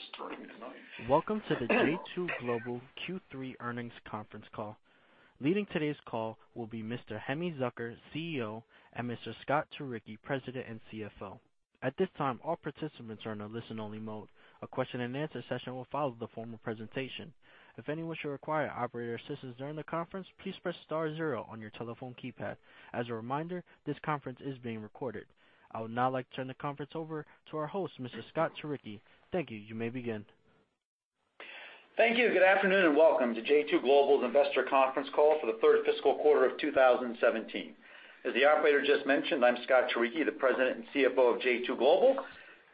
It's starting tonight. Welcome to the J2 Global Q3 earnings conference call. Leading today's call will be Mr. Hemi Zucker, CEO, and Mr. Scott Turicchi, President and CFO. At this time, all participants are in a listen-only mode. A question and answer session will follow the formal presentation. If anyone should require operator assistance during the conference, please press star zero on your telephone keypad. As a reminder, this conference is being recorded. I would now like to turn the conference over to our host, Mr. Scott Turicchi. Thank you. You may begin. Thank you. Good afternoon, and welcome to J2 Global's investor conference call for the third fiscal quarter of 2017. As the operator just mentioned, I'm Scott Turicchi, the President and CFO of J2 Global,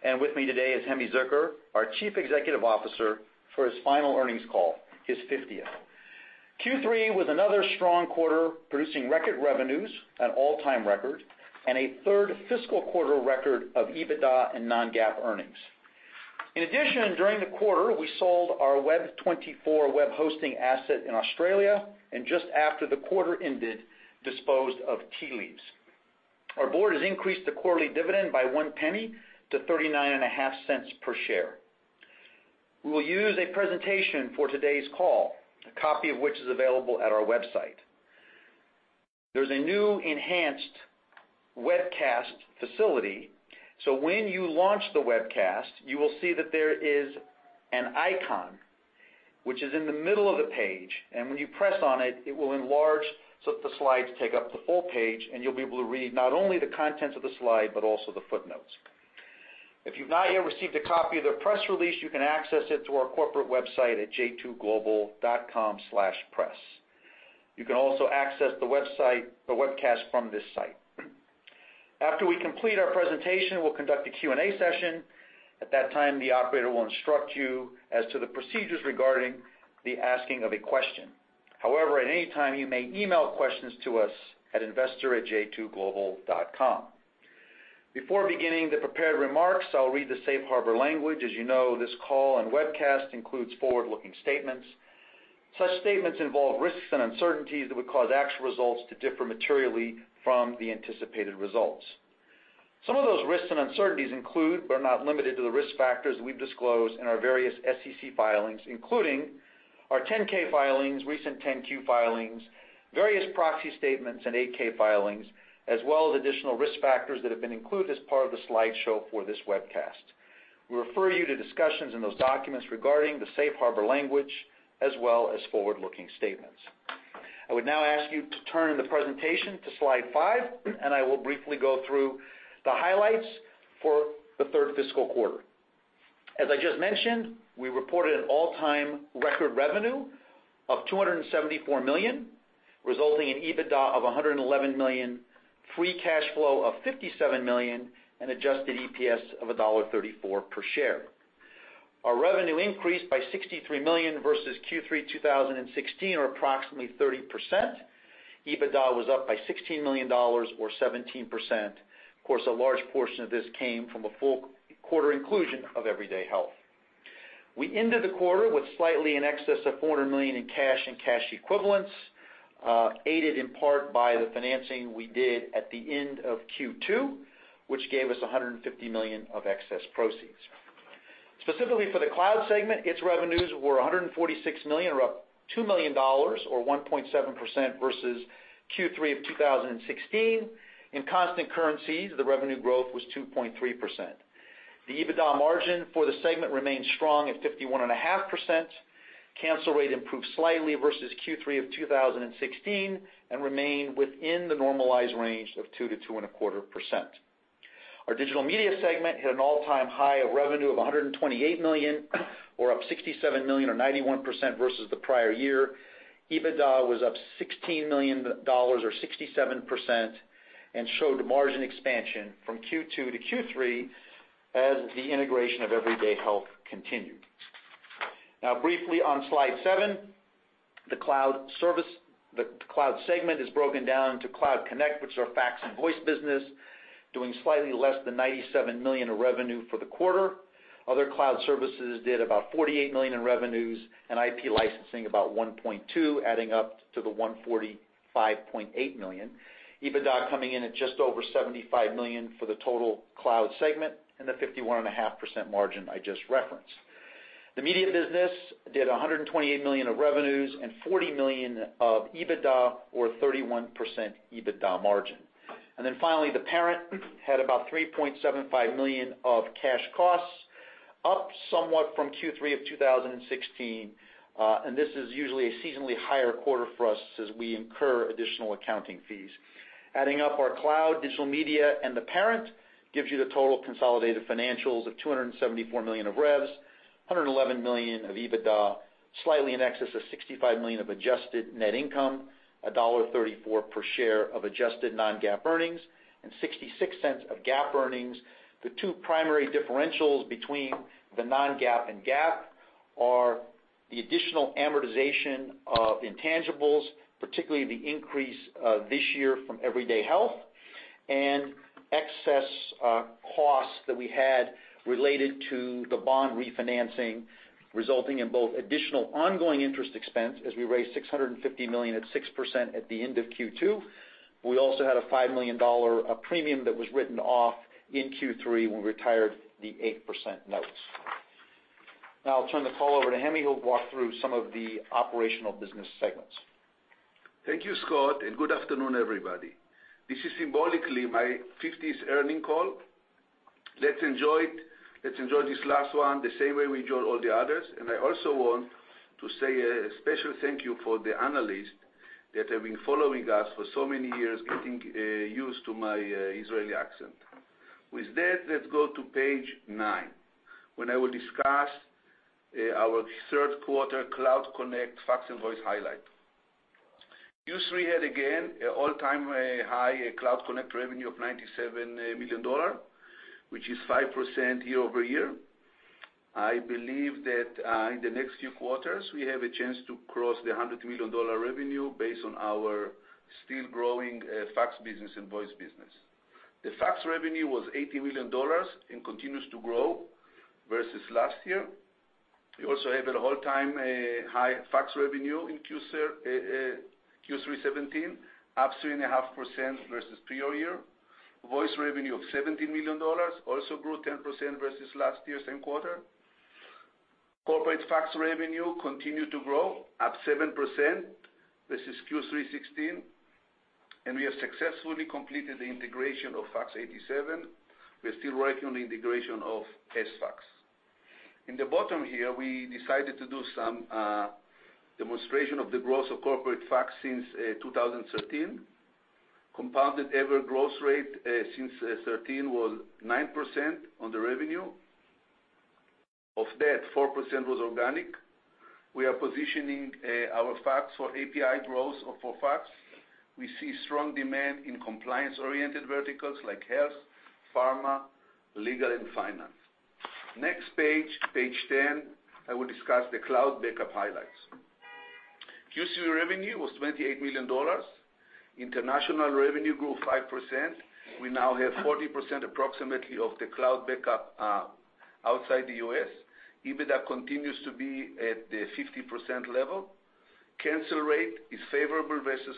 and with me today is Hemi Zucker, our Chief Executive Officer, for his final earnings call, his 50th. Q3 was another strong quarter, producing record revenues, an all-time record, and a third fiscal quarter record of EBITDA and non-GAAP earnings. In addition, during the quarter, we sold our Web24 web hosting asset in Australia, and just after the quarter ended, disposed of Tea Leaves Health. Our board has increased the quarterly dividend by one penny to $0.395 per share. We will use a presentation for today's call, a copy of which is available at our website. There's a new enhanced webcast facility. When you launch the webcast, you will see that there is an icon, which is in the middle of the page. When you press on it will enlarge, so that the slides take up the full page, and you'll be able to read not only the contents of the slide, but also the footnotes. If you've not yet received a copy of the press release, you can access it through our corporate website at J2global.com/press. You can also access the webcast from this site. After we complete our presentation, we'll conduct a Q&A session. At that time, the operator will instruct you as to the procedures regarding the asking of a question. However, at any time, you may email questions to us at investor@J2global.com. Before beginning the prepared remarks, I'll read the safe harbor language. As you know, this call and webcast includes forward-looking statements. Such statements involve risks and uncertainties that would cause actual results to differ materially from the anticipated results. Some of those risks and uncertainties include, but are not limited to, the risk factors we've disclosed in our various SEC filings, including our 10-K filings, recent 10-Q filings, various proxy statements and 8-K filings, as well as additional risk factors that have been included as part of the slideshow for this webcast. We refer you to discussions in those documents regarding the safe harbor language, as well as forward-looking statements. I would now ask you to turn in the presentation to slide five, and I will briefly go through the highlights for the third fiscal quarter. As I just mentioned, we reported an all-time record revenue of $274 million, resulting in EBITDA of $111 million, free cash flow of $57 million, and adjusted EPS of $1.34 per share. Our revenue increased by $63 million versus Q3 2016 or approximately 30%. EBITDA was up by $16 million or 17%. Of course, a large portion of this came from a full quarter inclusion of Everyday Health. We ended the quarter with slightly in excess of $400 million in cash and cash equivalents, aided in part by the financing we did at the end of Q2, which gave us $150 million of excess proceeds. Specifically for the Cloud segment, its revenues were $146 million or up $2 million or 1.7% versus Q3 of 2016. In constant currencies, the revenue growth was 2.3%. The EBITDA margin for the segment remained strong at 51.5%. Cancel rate improved slightly versus Q3 of 2016 and remained within the normalized range of 2%-2.25%. Our Digital Media segment hit an all-time high of revenue of $128 million or up $67 million or 91% versus the prior year. EBITDA was up $16 million or 67% and showed margin expansion from Q2 to Q3 as the integration of Everyday Health continued. Briefly on Slide seven, the Cloud segment is broken down into Cloud Connect, which is our fax and voice business, doing slightly less than $97 million of revenue for the quarter. Other cloud services did about $48 million in revenues, and IP licensing about $1.2 million, adding up to the $145.8 million. EBITDA coming in at just over $75 million for the total Cloud segment and the 51.5% margin I just referenced. The media business did $128 million of revenues and $40 million of EBITDA or 31% EBITDA margin. Finally, the parent had about $3.75 million of cash costs, up somewhat from Q3 of 2016. This is usually a seasonally higher quarter for us as we incur additional accounting fees. Adding up our Cloud, Digital Media, and the parent gives you the total consolidated financials of $274 million of revs, $111 million of EBITDA, slightly in excess of $65 million of adjusted net income, $1.34 per share of adjusted non-GAAP earnings, and $0.66 of GAAP earnings. The two primary differentials between the non-GAAP and GAAP are the additional amortization of intangibles, particularly the increase this year from Everyday Health, and excess costs that we had related to the bond refinancing, resulting in both additional ongoing interest expense as we raised $650 million at 6% at the end of Q2. We also had a $5 million premium that was written off in Q3 when we retired the 8% notes. Now I'll turn the call over to Hemi, who'll walk through some of the operational business segments. Thank you, Scott, good afternoon, everybody. This is symbolically my 50th earnings call. Let's enjoy it. Let's enjoy this last one the same way we enjoyed all the others. I also want to say a special thank you for the analysts that have been following us for so many years, getting used to my Israeli accent. With that, let's go to page nine, when I will discuss our third quarter Cloud Connect, Fax and Voice highlight. Q3 had, again, all-time high Cloud Connect revenue of $97 million, which is 5% year-over-year. I believe that in the next few quarters, we have a chance to cross the $100 million revenue based on our still growing fax business and voice business. The fax revenue was $80 million and continues to grow versus last year. We also have an all-time high fax revenue in Q3 2017, up 3.5% versus prior year. Voice revenue of $17 million, also grew 10% versus last year same quarter. Corporate fax revenue continued to grow at 7% versus Q3 2016. We have successfully completed the integration of Fax87. We are still working on the integration of Sfax. In the bottom here, we decided to do some demonstration of the growth of corporate fax since 2013. Compounded ever growth rate since 2013 was 9% on the revenue. Of that, 4% was organic. We are positioning our fax for API growth for fax. We see strong demand in compliance-oriented verticals like health, pharma, legal, and finance. Next page 10, I will discuss the Cloud Backup highlights. Q3 revenue was $28 million. International revenue grew 5%. We now have 40% approximately of the Cloud Backup outside the U.S. EBITDA continues to be at the 50% level. Cancel rate is favorable versus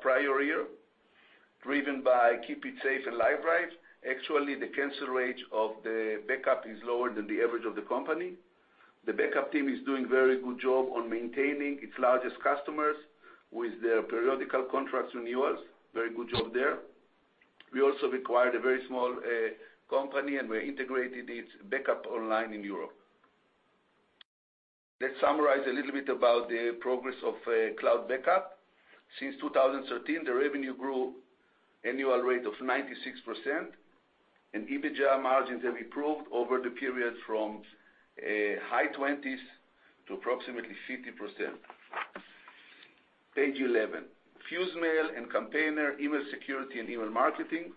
prior year, driven by KeepItSafe and Livedrive. Actually, the cancel rate of the backup is lower than the average of the company. The backup team is doing a very good job on maintaining its largest customers with their periodical contracts renewals. Very good job there. We also acquired a very small company. We integrated its Backup Online in Europe. Let's summarize a little bit about the progress of Cloud Backup. Since 2013, the revenue grew annual rate of 96%, and EBITDA margins have improved over the period from high 20s to approximately 50%. Page 11. FuseMail and Campaigner email security and email marketing.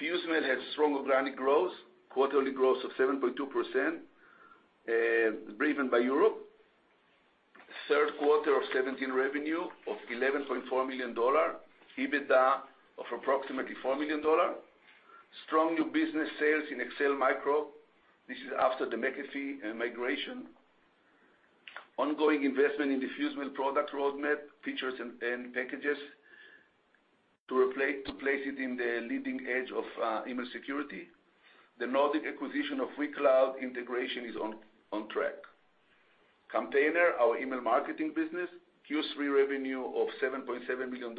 FuseMail had strong organic growth, quarterly growth of 7.2%, driven by Europe. Third quarter of 2017 revenue of $11.4 million, EBITDA of approximately $4 million. Strong new business sales in Excel Micro. This is after the McAfee migration. Ongoing investment in the FuseMail product roadmap, features, and packages to place it in the leading edge of email security. The Nordic acquisition of WeCloud integration is on track. Campaigner, our email marketing business, Q3 revenue of $7.7 million.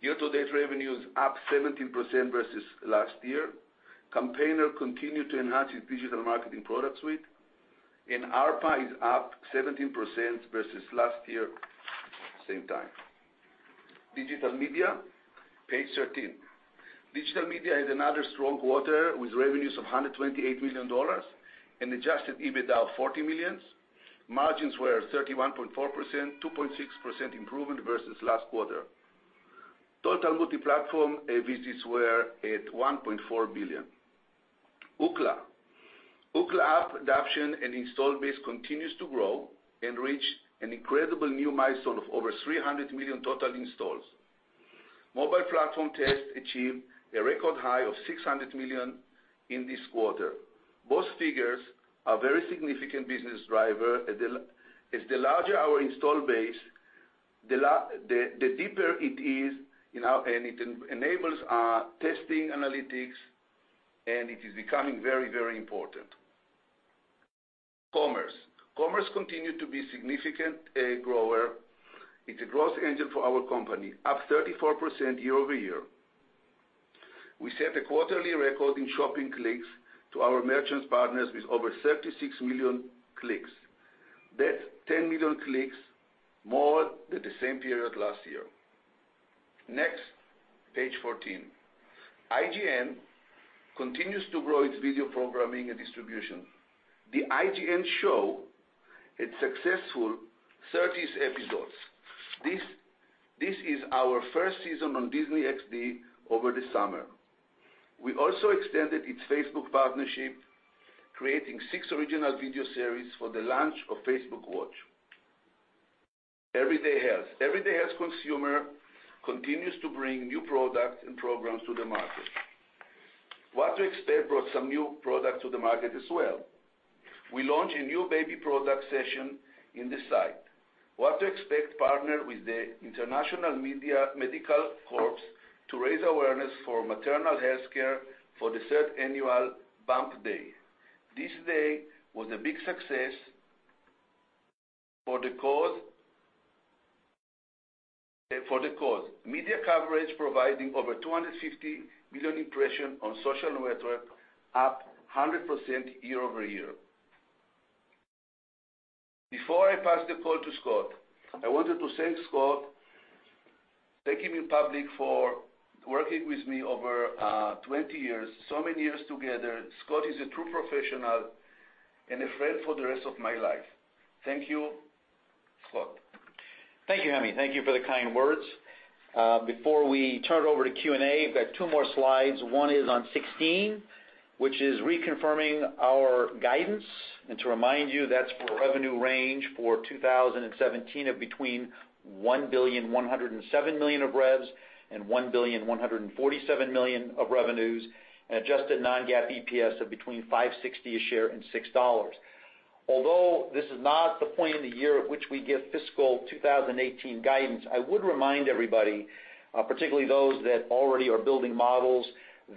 Year-to-date revenue is up 17% versus last year. Campaigner continued to enhance its digital marketing product suite, and ARPA is up 17% versus last year same time. Digital Media, page 13. Digital Media had another strong quarter with revenues of $128 million and adjusted EBITDA of $40 million. Margins were 31.4%, 2.6% improvement versus last quarter. Total multi-platform visits were at 1.4 billion. Ookla. Ookla app adoption and install base continues to grow and reached an incredible new milestone of over 300 million total installs. Mobile platform tests achieved a record high of 600 million in this quarter. Both figures are very significant business driver, as the larger our install base, the deeper it is, and it enables our testing analytics, and it is becoming very, very important. Commerce. Commerce continued to be a significant grower. It's a growth engine for our company, up 34% year-over-year. We set a quarterly record in shopping clicks to our merchants partners with over 36 million clicks. That's 10 million clicks more than the same period last year. Next, page 14. IGN continues to grow its video programming and distribution. The IGN show had successful 30 episodes. This is our first season on Disney XD over the summer. We also extended its Facebook partnership, creating six original video series for the launch of Facebook Watch. Everyday Health. Everyday Health consumer continues to bring new products and programs to the market. What to Expect brought some new product to the market as well. We launched a new baby product session in the site. What to Expect partnered with the International Medical Corps to raise awareness for maternal healthcare for the third annual Bump Day. This day was a big success for the cause. Media coverage providing over 250 million impression on social network, up 100% year-over-year. Before I pass the call to Scott, I wanted to thank Scott, thank him in public for working with me over 20 years, so many years together. Scott is a true professional and a friend for the rest of my life. Thank you, Scott. Thank you, Hemi. Thank you for the kind words. Before we turn it over to Q&A, I've got two more slides. One is on 16, which is reconfirming our guidance. To remind you, that's for revenue range for 2017 of between $1,107 million of revs and $1,147 million of revenues and adjusted non-GAAP EPS of between $5.60 a share and $6. Although this is not the point in the year at which we give fiscal 2018 guidance, I would remind everybody, particularly those that already are building models,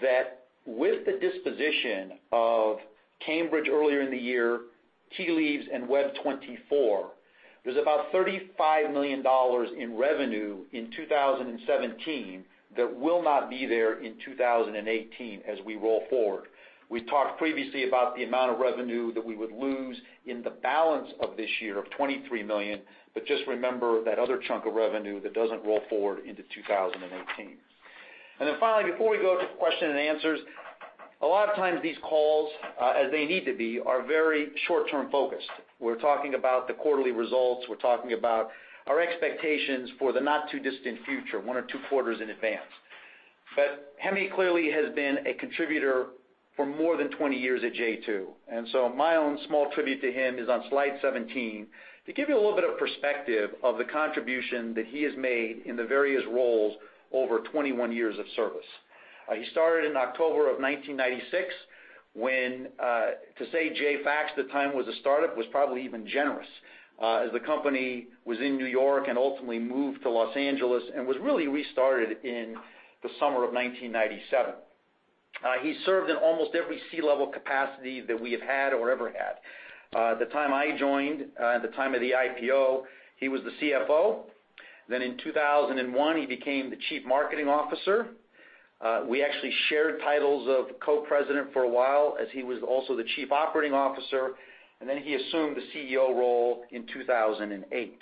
that with the disposition of Cambridge earlier in the year, Tea Leaves, and Web24, there's about $35 million in revenue in 2017 that will not be there in 2018 as we roll forward. We talked previously about the amount of revenue that we would lose in the balance of this year of $23 million. Just remember that other chunk of revenue that doesn't roll forward into 2018. Finally, before we go to question and answers, a lot of times these calls, as they need to be, are very short-term focused. We're talking about the quarterly results. We're talking about our expectations for the not too distant future, one or two quarters in advance. Hemi clearly has been a contributor for more than 20 years at J2. My own small tribute to him is on slide 17, to give you a little bit of perspective of the contribution that he has made in the various roles over 21 years of service. He started in October of 1996 when, to say JFax at the time was a startup, was probably even generous, as the company was in New York and ultimately moved to Los Angeles and was really restarted in the summer of 1997. He served in almost every C-level capacity that we have had or ever had. The time I joined, the time of the IPO, he was the CFO. In 2001, he became the chief marketing officer. We actually shared titles of co-president for a while as he was also the chief operating officer, and then he assumed the CEO role in 2008.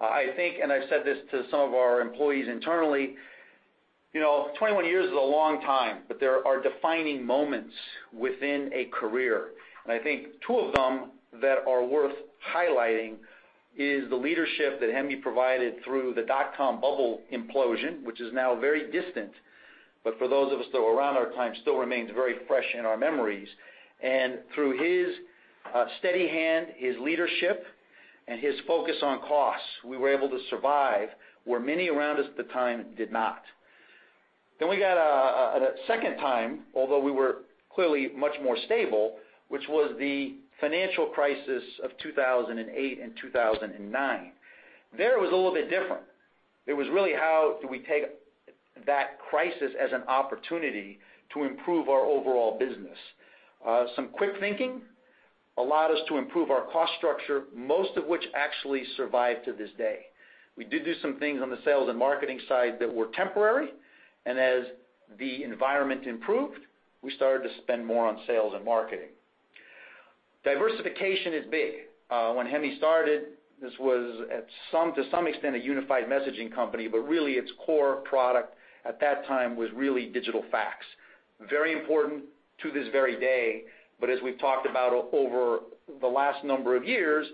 I think, and I've said this to some of our employees internally, 21 years is a long time, but there are defining moments within a career. I think two of them that are worth highlighting is the leadership that Hemi provided through the dot-com bubble implosion, which is now very distant, but for those of us that were around at our time, still remains very fresh in our memories. Through his steady hand, his leadership, and his focus on costs, we were able to survive where many around us at the time did not. We got a second time, although we were clearly much more stable, which was the financial crisis of 2008 and 2009. There, it was a little bit different. It was really how do we take that crisis as an opportunity to improve our overall business. Some quick thinking allowed us to improve our cost structure, most of which actually survived to this day. We did do some things on the sales and marketing side that were temporary, and as the environment improved, we started to spend more on sales and marketing. Diversification is big. When Hemi started, this was to some extent a unified messaging company, but really its core product at that time was really digital fax. Very important to this very day, but as we've talked about over the last number of years,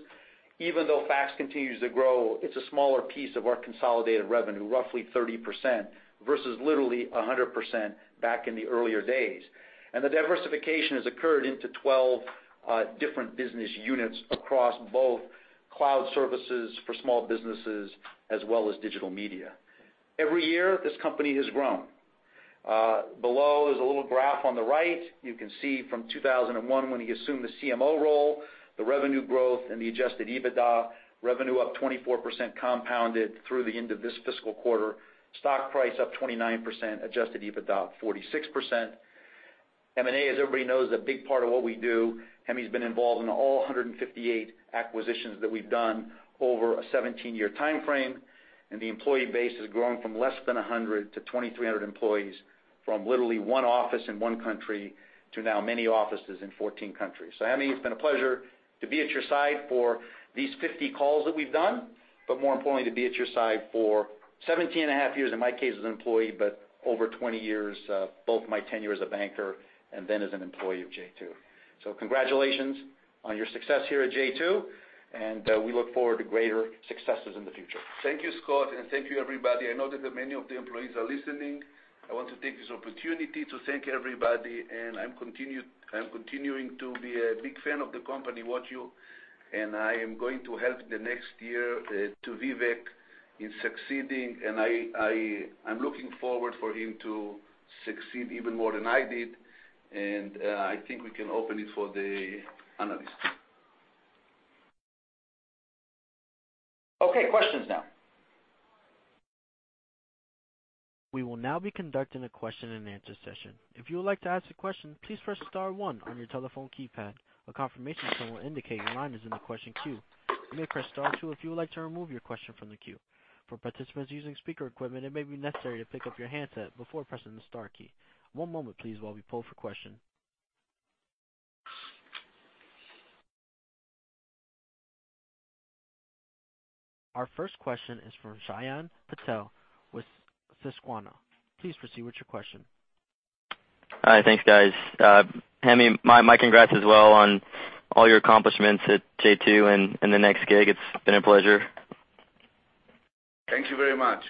even though fax continues to grow, it's a smaller piece of our consolidated revenue, roughly 30%, versus literally 100% back in the earlier days. The diversification has occurred into 12 different business units across both cloud services for small businesses as well as Digital Media. Every year, this company has grown. Below, there's a little graph on the right. You can see from 2001 when he assumed the CMO role, the revenue growth and the adjusted EBITDA revenue up 24% compounded through the end of this fiscal quarter. Stock price up 29%, adjusted EBITDA up 46%. M&A, as everybody knows, is a big part of what we do. Hemi's been involved in all 158 acquisitions that we've done over a 17-year timeframe, and the employee base has grown from less than 100 to 2,300 employees from literally one office in one country to now many offices in 14 countries. Hemi, it's been a pleasure to be at your side for these 50 calls that we've done, but more importantly, to be at your side for 17 and a half years, in my case, as an employee, but over 20 years, both my tenure as a banker and then as an employee of J2. Congratulations on your success here at J2, we look forward to greater successes in the future. Thank you, Scott, thank you, everybody. I know that many of the employees are listening. I want to take this opportunity to thank everybody, I'm continuing to be a big fan of the company. I am going to help the next year to Vivek in succeeding, I'm looking forward for him to succeed even more than I did. I think we can open it for the analysts. Okay, questions now. We will now be conducting a question and answer session. If you would like to ask a question, please press star one on your telephone keypad. A confirmation tone will indicate your line is in the question queue. You may press star two if you would like to remove your question from the queue. For participants using speaker equipment, it may be necessary to pick up your handset before pressing the star key. One moment, please, while we pull for question. Our first question is from Shyam Patil with Susquehanna. Please proceed with your question. All right. Thanks, guys. Hemi, my congrats as well on all your accomplishments at J2 and the next gig. It's been a pleasure. Thank you very much.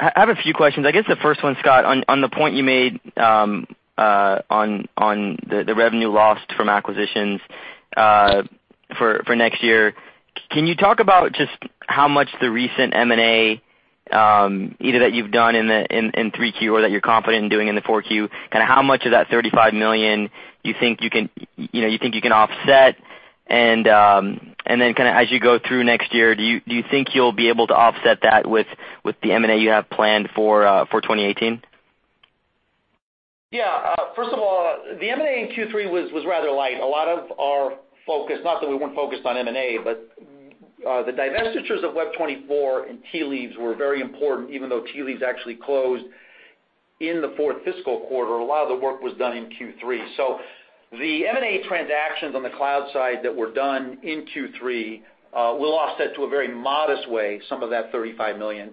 I have a few questions. I guess the first one, Scott, on the point you made on the revenue lost from acquisitions for next year, can you talk about just how much the recent M&A either that you've done in Q3 or that you're confident in doing in the Q4? How much of that $35 million do you think you can offset? As you go through next year, do you think you'll be able to offset that with the M&A you have planned for 2018? First of all, the M&A in Q3 was rather light. A lot of our focus, not that we weren't focused on M&A, but the divestitures of Web24 and Tea Leaves were very important. Even though Tea Leaves actually closed in the fourth fiscal quarter, a lot of the work was done in Q3. The M&A transactions on the cloud side that were done in Q3 will offset, to a very modest way, some of that $35 million.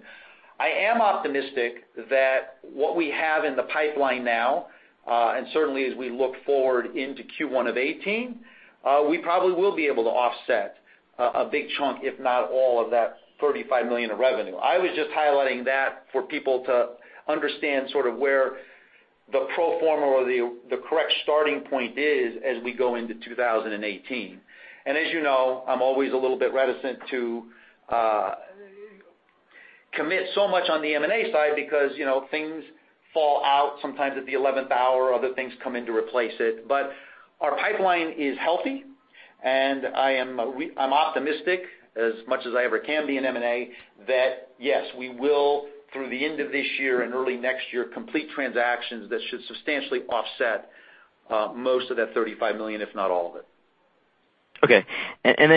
I am optimistic that what we have in the pipeline now, and certainly as we look forward into Q1 of 2018, we probably will be able to offset a big chunk, if not all of that $35 million of revenue. I was just highlighting that for people to understand sort of where the pro forma or the correct starting point is as we go into 2018. As you know, I'm always a little bit reticent to commit so much on the M&A side because things fall out sometimes at the 11th hour, other things come in to replace it. Our pipeline is healthy, and I'm optimistic as much as I ever can be in M&A, that yes, we will, through the end of this year and early next year, complete transactions that should substantially offset most of that $35 million, if not all of it.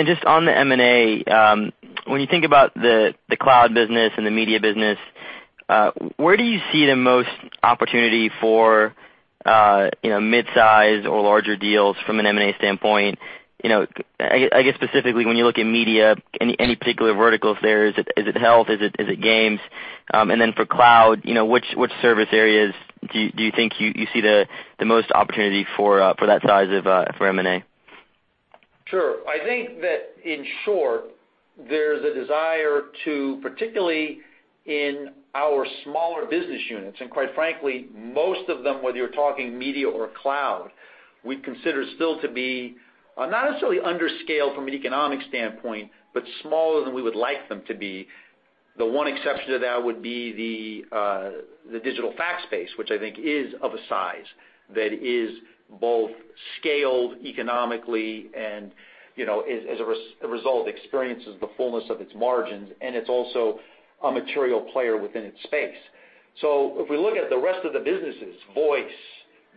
Just on the M&A, when you think about the cloud business and the media business, where do you see the most opportunity for mid-size or larger deals from an M&A standpoint? I guess specifically when you look at media, any particular verticals there? Is it health? Is it games? For cloud, which service areas do you think you see the most opportunity for that size for M&A? I think that in short, there's a desire to, particularly in our smaller business units, and quite frankly, most of them, whether you're talking media or cloud, we consider still to be not necessarily under scale from an economic standpoint, but smaller than we would like them to be. The one exception to that would be the digital fax space, which I think is of a size that is both scaled economically and, as a result, experiences the fullness of its margins, and it's also a material player within its space. If we look at the rest of the businesses, voice,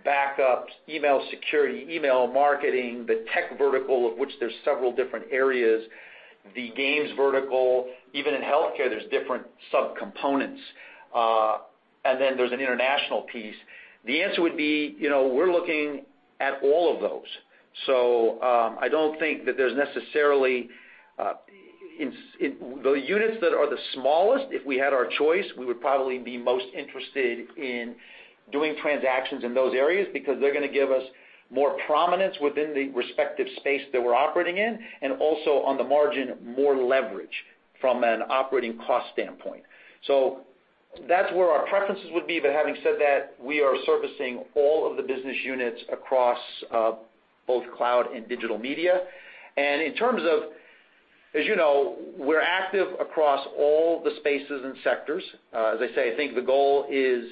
backups, email security, email marketing, the tech vertical, of which there's several different areas, the games vertical, even in healthcare, there's different sub-components, and then there's an international piece. The answer would be, we're looking at all of those. I don't think that there's necessarily. The units that are the smallest, if we had our choice, we would probably be most interested in doing transactions in those areas because they're going to give us more prominence within the respective space that we're operating in, and also on the margin, more leverage from an operating cost standpoint. That's where our preferences would be. Having said that, we are servicing all of the business units across both cloud and Digital Media. As you know, we're active across all the spaces and sectors. As I say, I think the goal is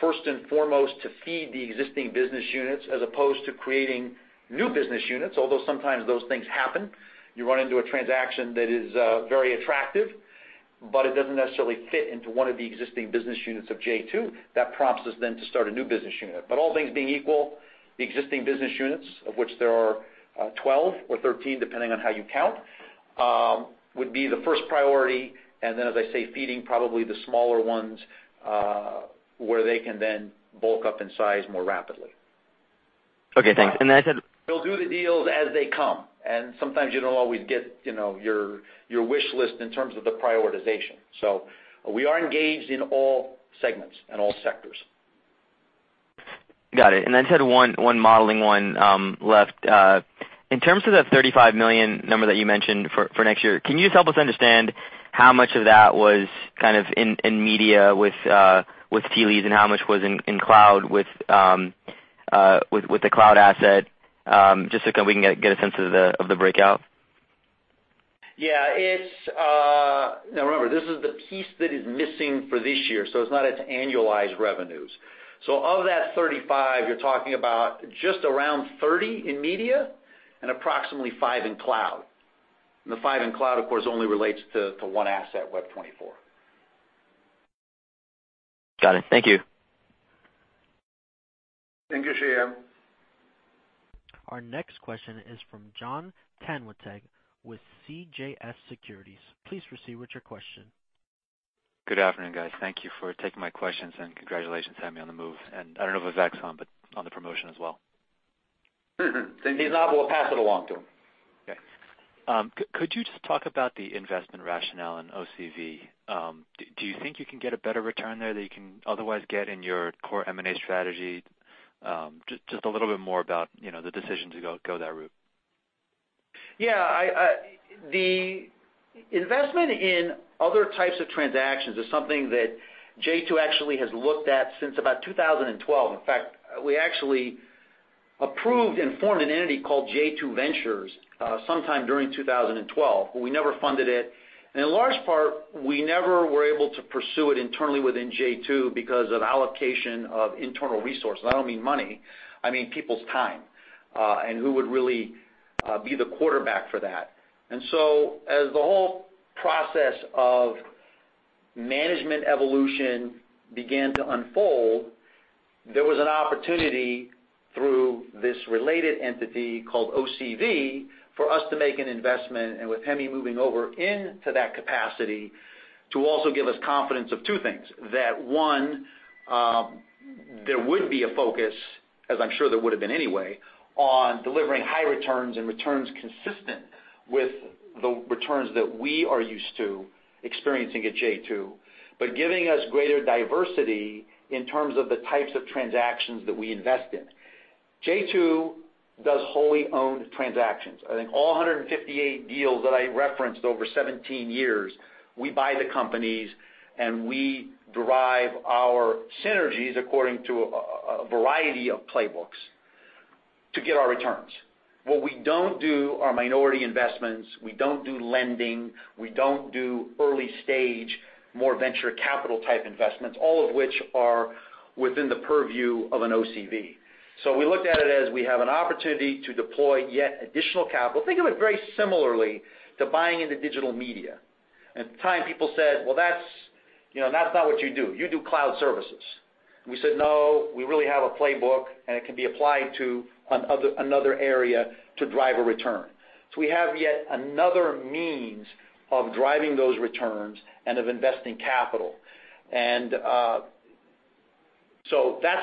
first and foremost to feed the existing business units as opposed to creating new business units. Although sometimes those things happen. You run into a transaction that is very attractive, but it doesn't necessarily fit into one of the existing business units of J2. That prompts us to start a new business unit. All things being equal, the existing business units, of which there are 12 or 13, depending on how you count, would be the first priority. As I say, feeding probably the smaller ones, where they can bulk up in size more rapidly. Okay, thanks. I said. We'll do the deals as they come, sometimes you don't always get your wish list in terms of the prioritization. We are engaged in all segments and all sectors. Got it. I just had one modeling one left. In terms of that $35 million number that you mentioned for next year, can you just help us understand how much of that was kind of in media with Tea Leaves and how much was in cloud with the cloud asset? Just so we can get a sense of the breakout. Yeah. Remember, this is the piece that is missing for this year, so it's not its annualized revenues. Of that $35 million, you're talking about just around $30 million in media and approximately $5 million in cloud. The $5 million in cloud, of course, only relates to one asset, Web24. Got it. Thank you. Thank you, Shyam. Our next question is from Jonathan Tanwanteng with CJS Securities. Please proceed with your question. Good afternoon, guys. Thank you for taking my questions, congratulations, Hemi, on the move. I don't know if Vivek's on, but on the promotion as well. Thank you. If he's not, we'll pass it along to him. Okay. Could you just talk about the investment rationale in OCV? Do you think you can get a better return there that you can otherwise get in your core M&A strategy? Just a little bit more about the decision to go that route. Yeah. The investment in other types of transactions is something that J2 actually has looked at since about 2012. In fact, we actually approved and formed an entity called J2 Ventures, sometime during 2012, but we never funded it. In large part, we never were able to pursue it internally within J2 because of allocation of internal resources. I don't mean money, I mean people's time, and who would really be the quarterback for that. As the whole process of management evolution began to unfold, there was an opportunity through this related entity called OCV, for us to make an investment, and with Hemi moving over into that capacity to also give us confidence of two things. That 1, there would be a focus, as I'm sure there would've been anyway, on delivering high returns and returns consistent with the returns that we are used to experiencing at J2, giving us greater diversity in terms of the types of transactions that we invest in. J2 does wholly owned transactions. I think all 158 deals that I referenced over 17 years, we buy the companies, and we derive our synergies according to a variety of playbooks to get our returns. What we don't do are minority investments. We don't do lending. We don't do early stage, more venture capital type investments, all of which are within the purview of an OCV. We looked at it as we have an opportunity to deploy yet additional capital. Think of it very similarly to buying into Digital Media. At the time people said, "Well, that's not what you do. You do cloud services." We said, "No, we really have a playbook, it can be applied to another area to drive a return." We have yet another means of driving those returns and of investing capital. That's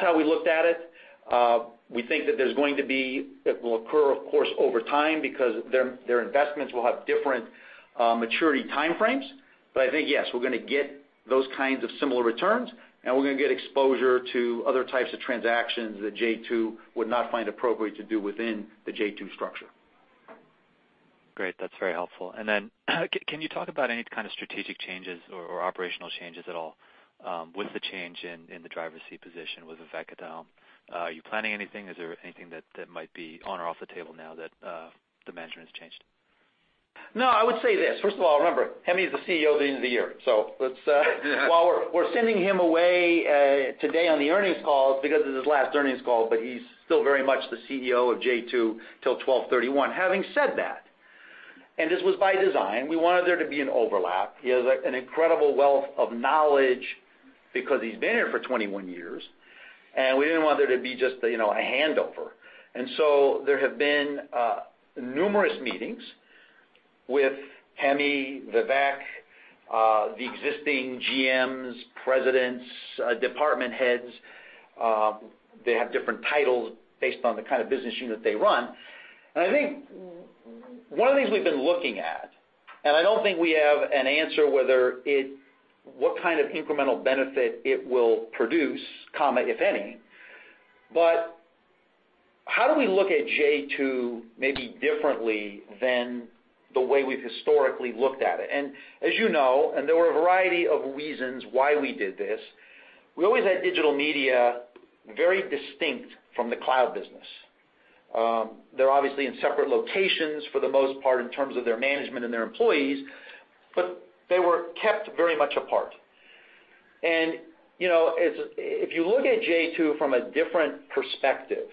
how we looked at it. We think that it will occur, of course, over time because their investments will have different maturity time frames. I think, yes, we're going to get those kinds of similar returns, we're going to get exposure to other types of transactions that J2 would not find appropriate to do within the J2 structure. Great. That's very helpful. Then, can you talk about any kind of strategic changes or operational changes at all with the change in the driver's seat position with Vivek Shah? Are you planning anything? Is there anything that might be on or off the table now that the management has changed? No, I would say this. First of all, remember, Hemi's the CEO at the end of the year. While we're sending him away today on the earnings call because this is his last earnings call, but he's still very much the CEO of J2 till 12/31. Having said that, this was by design, we wanted there to be an overlap. He has an incredible wealth of knowledge because he's been here for 21 years, and we didn't want there to be just a handover. There have been numerous meetings with Hemi, Vivek, the existing GMs, presidents, department heads. They have different titles based on the kind of business unit they run. I think one of the things we've been looking at, and I don't think we have an answer whether what kind of incremental benefit it will produce, comma, if any, but how do we look at J2 maybe differently than the way we've historically looked at it? As you know, there were a variety of reasons why we did this, we always had Digital Media very distinct from the cloud business. They're obviously in separate locations for the most part in terms of their management and their employees, but they were kept very much apart. If you look at J2 from a different perspective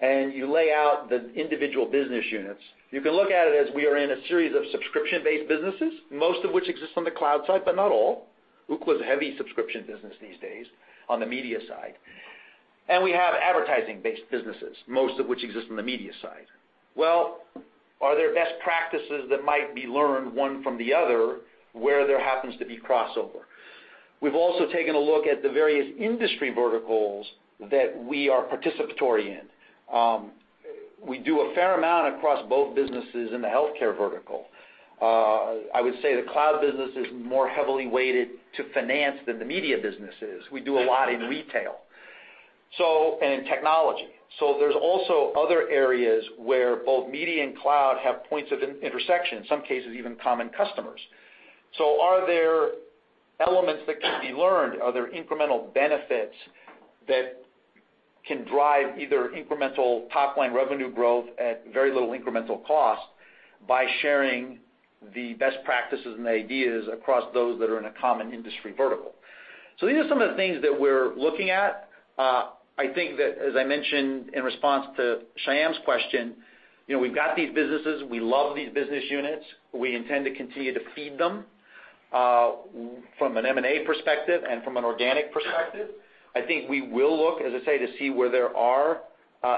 and you lay out the individual business units, you can look at it as we are in a series of subscription-based businesses, most of which exist on the cloud side, but not all. Ookla's a heavy subscription business these days on the media side. We have advertising-based businesses, most of which exist on the media side. Well, are there best practices that might be learned one from the other where there happens to be crossover? We've also taken a look at the various industry verticals that we are participatory in. We do a fair amount across both businesses in the healthcare vertical. I would say the cloud business is more heavily weighted to finance than the media business is. We do a lot in retail and in technology. There's also other areas where both media and cloud have points of intersection, in some cases, even common customers. Are there elements that can be learned? Are there incremental benefits that can drive either incremental top-line revenue growth at very little incremental cost by sharing the best practices and the ideas across those that are in a common industry vertical. These are some of the things that we're looking at. I think that, as I mentioned in response to Shyam's question, we've got these businesses, we love these business units. We intend to continue to feed them, from an M&A perspective and from an organic perspective. I think we will look, as I say, to see where there are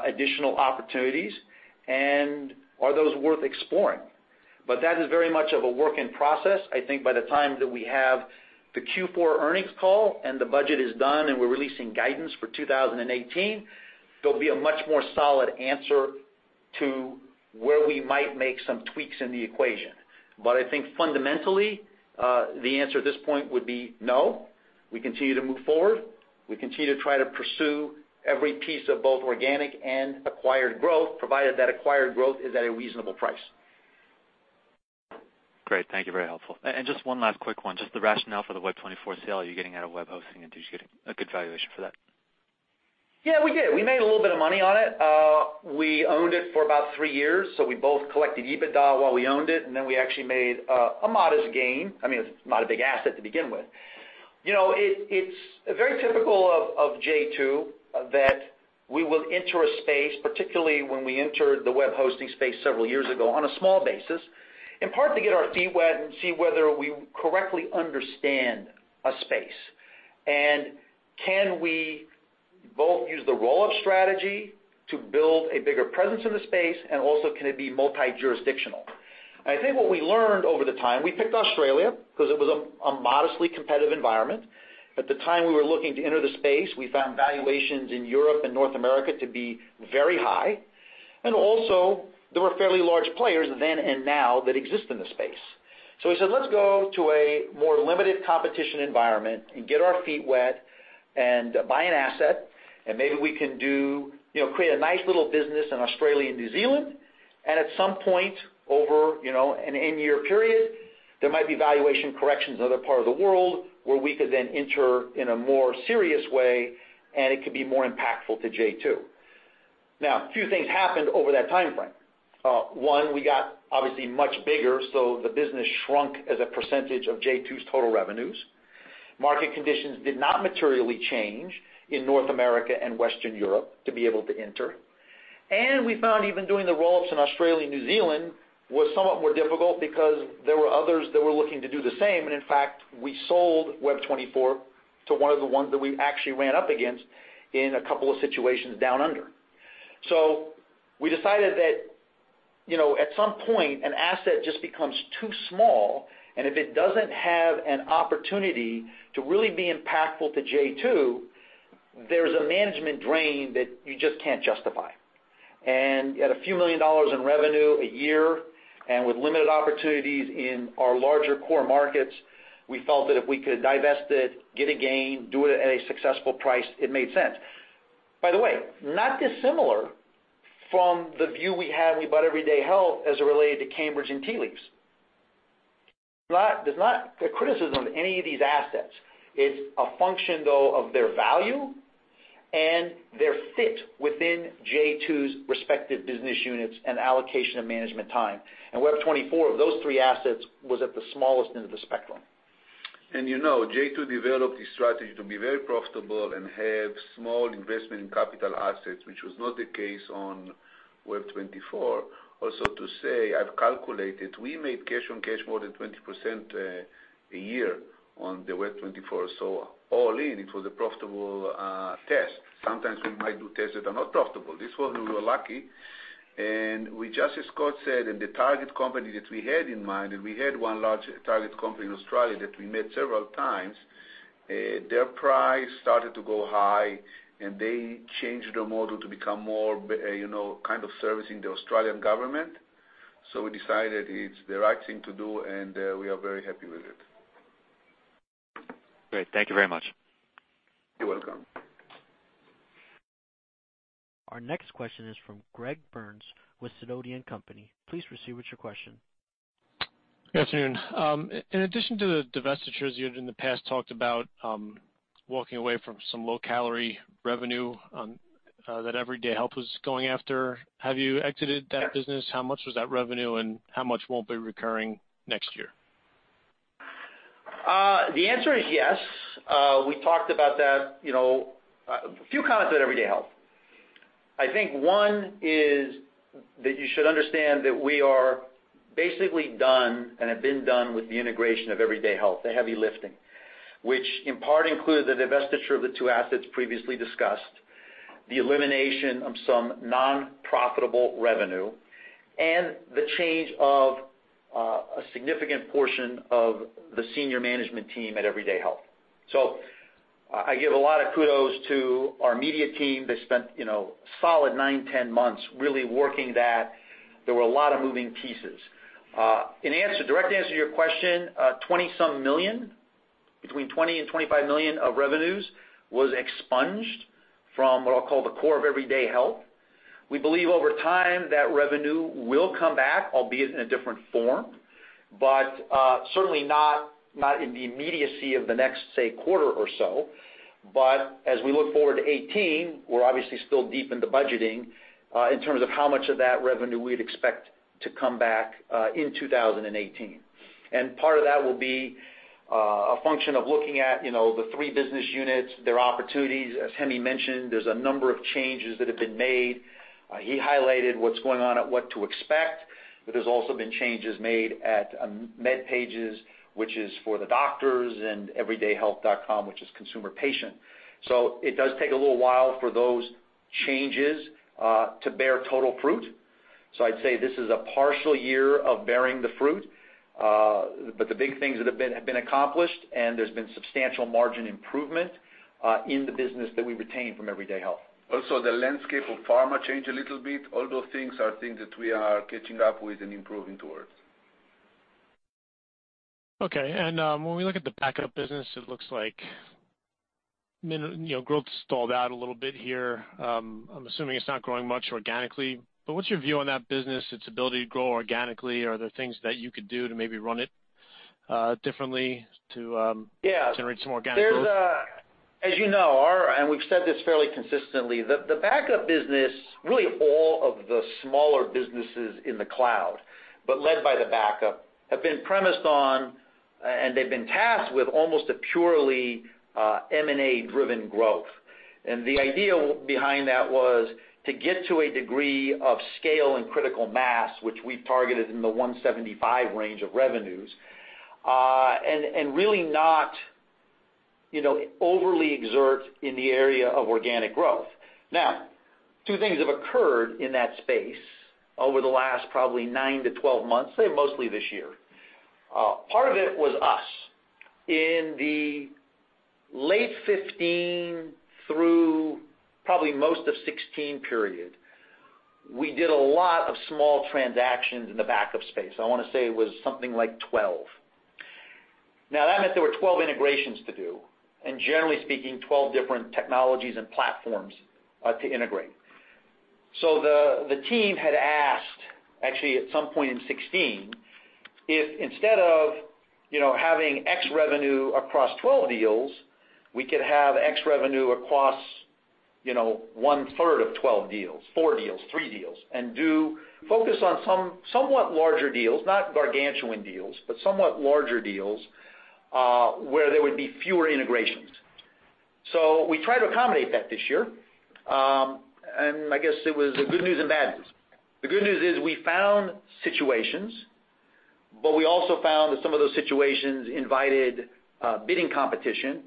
additional opportunities, and are those worth exploring. That is very much of a work in process. I think by the time that we have the Q4 earnings call and the budget is done and we're releasing guidance for 2018, there'll be a much more solid answer to where we might make some tweaks in the equation. I think fundamentally, the answer at this point would be no. We continue to move forward. We continue to try to pursue every piece of both organic and acquired growth, provided that acquired growth is at a reasonable price. Great. Thank you. Very helpful. Just one last quick one, just the rationale for the Web24 sale. Are you getting out of web hosting, and did you get a good valuation for that? Yeah, we did. We made a little bit of money on it. We owned it for about three years, we both collected EBITDA while we owned it, and then we actually made a modest gain. I mean, it's not a big asset to begin with. It's very typical of J2 that we will enter a space, particularly when we entered the web hosting space several years ago, on a small basis, in part to get our feet wet and see whether we correctly understand a space. Can we both use the roll-up strategy to build a bigger presence in the space, and also can it be multi-jurisdictional? I think what we learned over the time, we picked Australia because it was a modestly competitive environment. At the time we were looking to enter the space, we found valuations in Europe and North America to be very high. Also there were fairly large players then and now that exist in the space. We said, let's go to a more limited competition environment and get our feet wet and buy an asset, and maybe we can create a nice little business in Australia and New Zealand. At some point over an N-year period, there might be valuation corrections in other part of the world where we could then enter in a more serious way and it could be more impactful to J2. Few things happened over that timeframe. One, we got obviously much bigger, so the business shrunk as a percentage of J2's total revenues. Market conditions did not materially change in North America and Western Europe to be able to enter. We found even doing the roll-ups in Australia and New Zealand was somewhat more difficult because there were others that were looking to do the same, and in fact, we sold Web24 to one of the ones that we actually ran up against in a couple of situations down under. We decided that, at some point, an asset just becomes too small, and if it doesn't have an opportunity to really be impactful to J2, there's a management drain that you just can't justify. At a few million USD in revenue a year and with limited opportunities in our larger core markets, we felt that if we could divest it, get a gain, do it at a successful price, it made sense. By the way, not dissimilar from the view we had when we bought Everyday Health as it related to Cambridge and Tea Leaves. There's not a criticism of any of these assets. It's a function, though, of their value and their fit within J2's respective business units and allocation of management time. Web24, of those three assets, was at the smallest end of the spectrum. You know, J2 developed a strategy to be very profitable and have small investment in capital assets, which was not the case on Web24. To say, I've calculated, we made cash on cash more than 20% a year on the Web24. All in, it was a profitable test. Sometimes we might do tests that are not profitable. This one, we were lucky. Just as Scott said, and the target company that we had in mind, and we had one large target company in Australia that we met several times, their price started to go high, and they changed their model to become more kind of servicing the Australian government. We decided it's the right thing to do, and we are very happy with it. Great. Thank you very much. You're welcome. Our next question is from Greg Burns with Sidoti & Company. Please proceed with your question. Good afternoon. In addition to the divestitures, you had in the past talked about walking away from some low-calorie revenue that Everyday Health was going after. Have you exited that business? How much was that revenue, and how much won't be recurring next year? The answer is yes. We talked about that. A few comments at Everyday Health. I think one is that you should understand that we are basically done and have been done with the integration of Everyday Health, the heavy lifting. Which in part included the divestiture of the two assets previously discussed, the elimination of some non-profitable revenue, and the change of a significant portion of the senior management team at Everyday Health. I give a lot of kudos to our media team. They spent a solid nine, 10 months really working that. There were a lot of moving pieces. In direct answer to your question, $20 some million, between $20 million and $25 million of revenues was expunged from what I'll call the core of Everyday Health. We believe over time, that revenue will come back, albeit in a different form, but certainly not in the immediacy of the next, say, quarter or so. As we look forward to 2018, we're obviously still deep into budgeting in terms of how much of that revenue we'd expect to come back in 2018. Part of that will be a function of looking at the three business units, their opportunities. As Hemi mentioned, there's a number of changes that have been made. He highlighted what's going on at What to Expect, but there's also been changes made at MedPage Today, which is for the doctors, and everydayhealth.com, which is consumer patient. It does take a little while for those changes to bear total fruit. I'd say this is a partial year of bearing the fruit. The big things that have been accomplished, and there's been substantial margin improvement in the business that we retain from Everyday Health. Also, the landscape of pharma changed a little bit. All those things are things that we are catching up with and improving towards. When we look at the backup business, it looks like growth stalled out a little bit here. I'm assuming it's not growing much organically, but what's your view on that business, its ability to grow organically? Are there things that you could do to maybe run it differently to- Yeah generate some organic growth? As you know, we've said this fairly consistently, the backup business, really all of the smaller businesses in the cloud, but led by the backup, have been premised on, and they've been tasked with almost a purely M&A-driven growth. The idea behind that was to get to a degree of scale and critical mass, which we've targeted in the $175 million range of revenues, and really not overly exert in the area of organic growth. Two things have occurred in that space over the last probably nine to 12 months, say mostly this year. Part of it was us. In the late 2015 through probably most of 2016 period, we did a lot of small transactions in the backup space. I want to say it was something like 12. That meant there were 12 integrations to do, and generally speaking, 12 different technologies and platforms to integrate. The team had asked, actually, at some point in 2016, if instead of having X revenue across 12 deals, we could have X revenue across one-third of 12 deals, four deals, three deals, and focus on somewhat larger deals, not gargantuan deals, but somewhat larger deals, where there would be fewer integrations. We tried to accommodate that this year, and I guess it was good news and bad news. The good news is we found situations, but we also found that some of those situations invited bidding competition,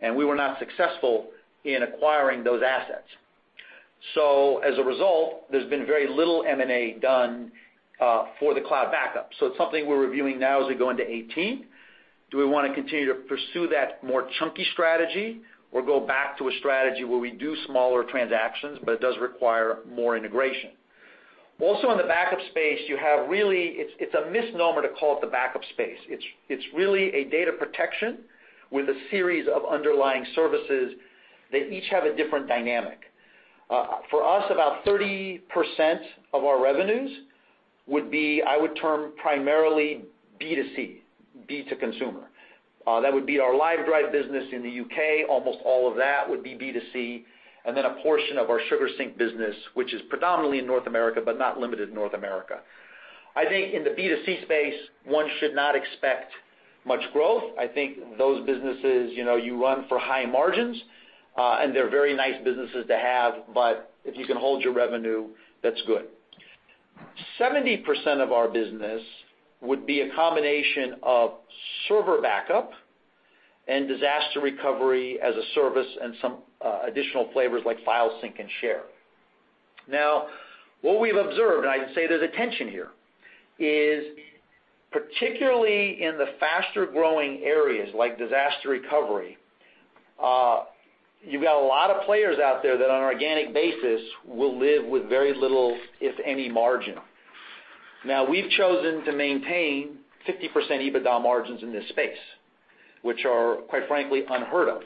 and we were not successful in acquiring those assets. As a result, there's been very little M&A done for the cloud backup. It's something we're reviewing now as we go into 2018. Do we want to continue to pursue that more chunky strategy or go back to a strategy where we do smaller transactions, it does require more integration? In the backup space, it's a misnomer to call it the backup space. It's really a data protection with a series of underlying services that each have a different dynamic. For us, about 30% of our revenues would be, I would term, primarily B2C, B to consumer. That would be our Livedrive business in the U.K. Almost all of that would be B2C, and then a portion of our SugarSync business, which is predominantly in North America, but not limited to North America. I think in the B2C space, one should not expect much growth. I think those businesses, you run for high margins, and they're very nice businesses to have, if you can hold your revenue, that's good. 70% of our business would be a combination of server backup and disaster recovery as a service and some additional flavors like file sync and share. What we've observed, and I'd say there's a tension here, is particularly in the faster-growing areas like disaster recovery, you've got a lot of players out there that on an organic basis will live with very little, if any, margin. We've chosen to maintain 50% EBITDA margins in this space, which are quite frankly unheard of.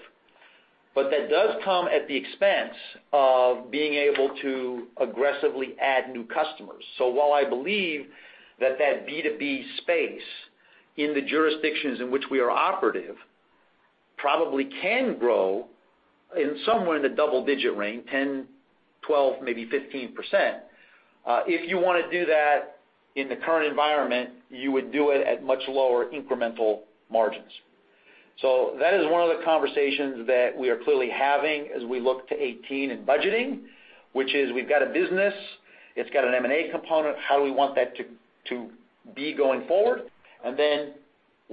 That does come at the expense of being able to aggressively add new customers. While I believe that that B2B space in the jurisdictions in which we are operative probably can grow somewhere in the double-digit range, 10%, 12%, maybe 15%, if you want to do that in the current environment, you would do it at much lower incremental margins. That is one of the conversations that we are clearly having as we look to 2018 and budgeting, which is we've got a business, it's got an M&A component. How do we want that to be going forward? What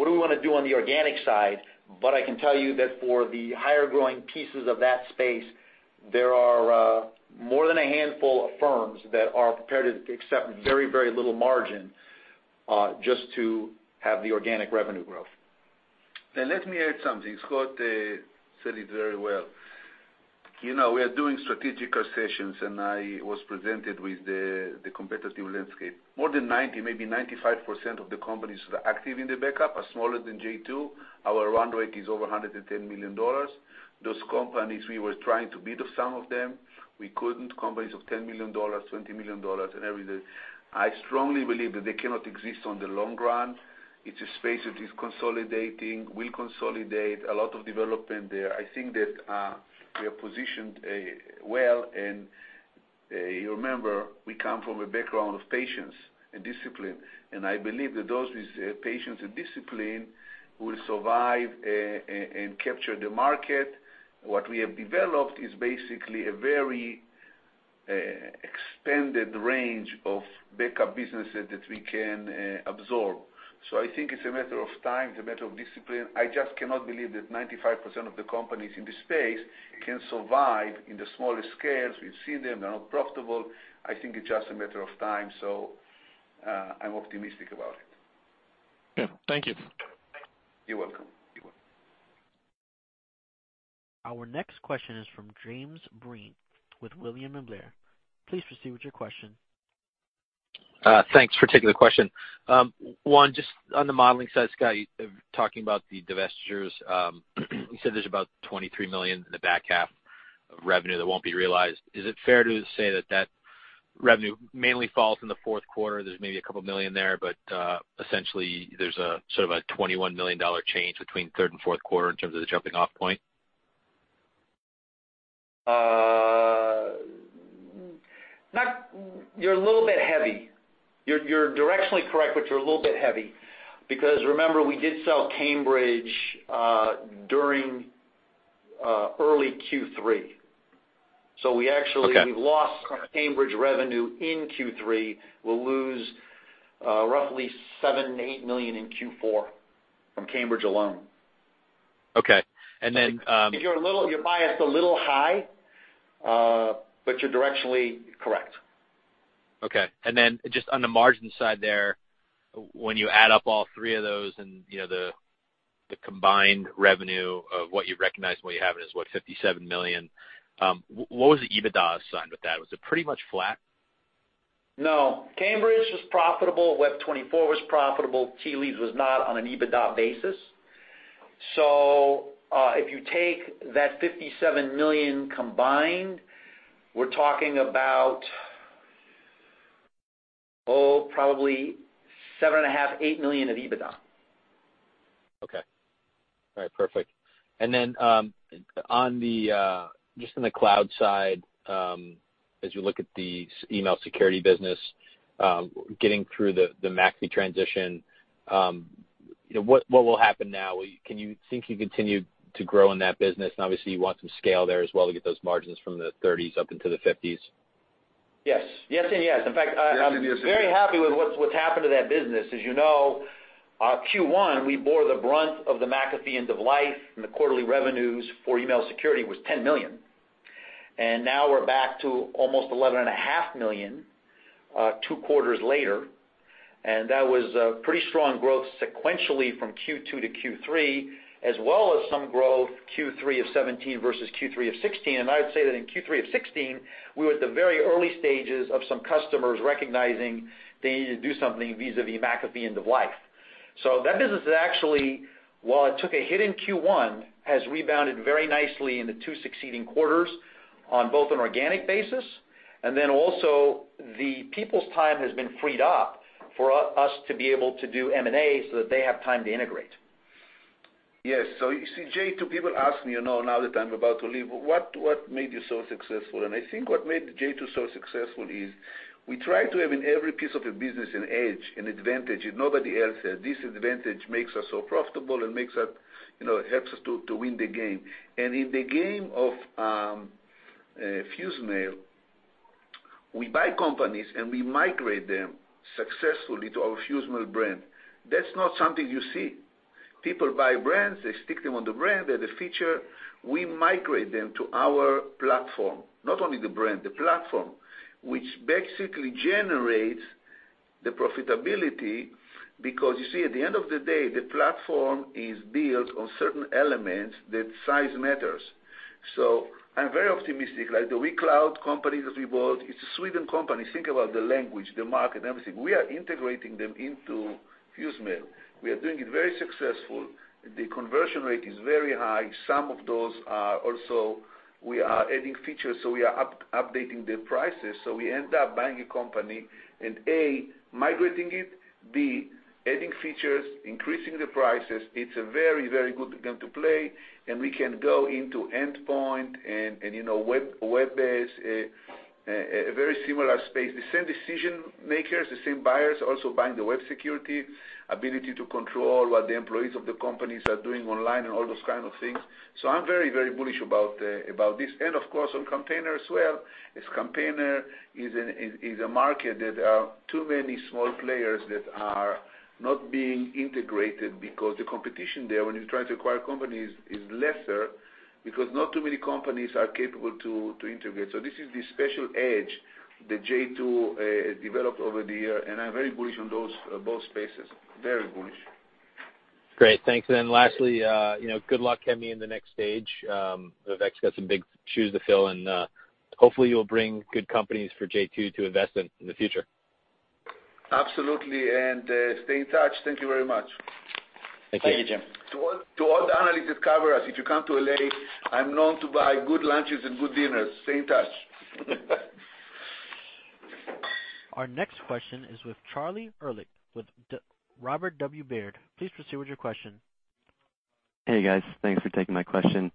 do we want to do on the organic side? I can tell you that for the higher-growing pieces of that space, there are more than a handful of firms that are prepared to accept very little margin, just to have the organic revenue growth. Let me add something. Scott said it very well. We are doing strategical sessions, I was presented with the landscape. More than 90%, maybe 95% of the companies that are active in the backup are smaller than J2. Our run rate is over $110 million. Those companies, we were trying to bid of some of them. We couldn't. Companies of $10 million, $20 million, and everything. I strongly believe that they cannot exist on the long run. It's a space that is consolidating, will consolidate, a lot of development there. I think that we are positioned well, you remember, we come from a background of patience and discipline, I believe that those with patience and discipline will survive and capture the market. What we have developed is basically a very expanded range of backup businesses that we can absorb. I think it's a matter of time, it's a matter of discipline. I just cannot believe that 95% of the companies in this space can survive in the smaller scales. We've seen them, they're not profitable. I think it's just a matter of time. I'm optimistic about it. Yeah. Thank you. You're welcome. Our next question is from Jim Breen with William Blair. Please proceed with your question. Thanks for taking the question. One, just on the modeling side, Scott, talking about the divestitures, you said there's about $23 million in the back half of revenue that won't be realized. Is it fair to say that revenue mainly falls in the fourth quarter? There's maybe a couple million there, but, essentially, there's a sort of a $21 million change between third and fourth quarter in terms of the jumping off point? You're a little bit heavy. You're directionally correct, but you're a little bit heavy because remember, we did sell Cambridge during early Q3. Okay. We actually, we've lost Cambridge revenue in Q3. We'll lose roughly $7 million-$8 million in Q4 from Cambridge alone. Okay. You're biased a little high, but you're directionally correct. Okay. Just on the margin side there, when you add up all three of those and the combined revenue of what you recognized and what you have it is what, $57 million? What was the EBITDA side with that? Was it pretty much flat? No. Cambridge was profitable. Web24 was profitable. Tea Leaves was not on an EBITDA basis. If you take that $57 million combined, we're talking about, probably $7.5 million, $8 million of EBITDA. Okay. All right. Perfect. Just on the cloud side, as you look at the email security business, getting through the McAfee transition, what will happen now? Can you think you continue to grow in that business? Obviously, you want some scale there as well to get those margins from the 30s up into the 50s. Yes. In fact, I'm very happy with what's happened to that business. As you know, Q1, we bore the brunt of the McAfee end of life, the quarterly revenues for email security was $10 million. Now we're back to almost $11.5 million, two quarters later. That was a pretty strong growth sequentially from Q2 to Q3, as well as some growth Q3 of 2017 versus Q3 of 2016. I'd say that in Q3 of 2016, we were at the very early stages of some customers recognizing they needed to do something vis-à-vis McAfee end of life. That business actually, while it took a hit in Q1, has rebounded very nicely in the two succeeding quarters on both an organic basis and then also the people's time has been freed up for us to be able to do M&A so that they have time to integrate. Yes. You see, J2, people ask me, now that I'm about to leave, "What made you so successful?" I think what made J2 so successful is we try to have in every piece of the business an edge, an advantage that nobody else has. This advantage makes us so profitable and helps us to win the game. In the game of FuseMail, we buy companies, and we migrate them successfully to our FuseMail brand. That's not something you see. People buy brands, they stick them on the brand, they're the feature. We migrate them to our platform, not only the brand, the platform, which basically generates the profitability because you see at the end of the day, the platform is built on certain elements that size matters. I'm very optimistic, like the WeCloud company that we bought, it's a Sweden company. Think about the language, the market, and everything. We are integrating them into FuseMail. We are doing it very successful. The conversion rate is very high. Some of those are also, we are adding features. We are updating the prices. We end up buying a company and, A, migrating it, B, adding features, increasing the prices. It's a very, very good game to play, and we can go into endpoint and web-based, a very similar space. The same decision makers, the same buyers also buying the web security, ability to control what the employees of the companies are doing online, and all those kind of things. I'm very, very bullish about this. Of course, on Campaigner as well, as Campaigner is a market that there are too many small players that are not being integrated because the competition there when you try to acquire companies is lesser because not too many companies are capable to integrate. This is the special edge that J2 has developed over the year, and I'm very bullish on both spaces. Very bullish. Great. Thanks. Lastly, good luck, Hemi, in the next stage. Vivek's got some big shoes to fill, and hopefully you'll bring good companies for J2 to invest in the future. Absolutely. Stay in touch. Thank you very much. Thank you. Thank you, Jim. To all the analysts that cover us, if you come to L.A., I'm known to buy good lunches and good dinners. Stay in touch. Our next question is with Charlie Ehrlich with Robert W. Baird. Please proceed with your question. Hey, guys. Thanks for taking my question.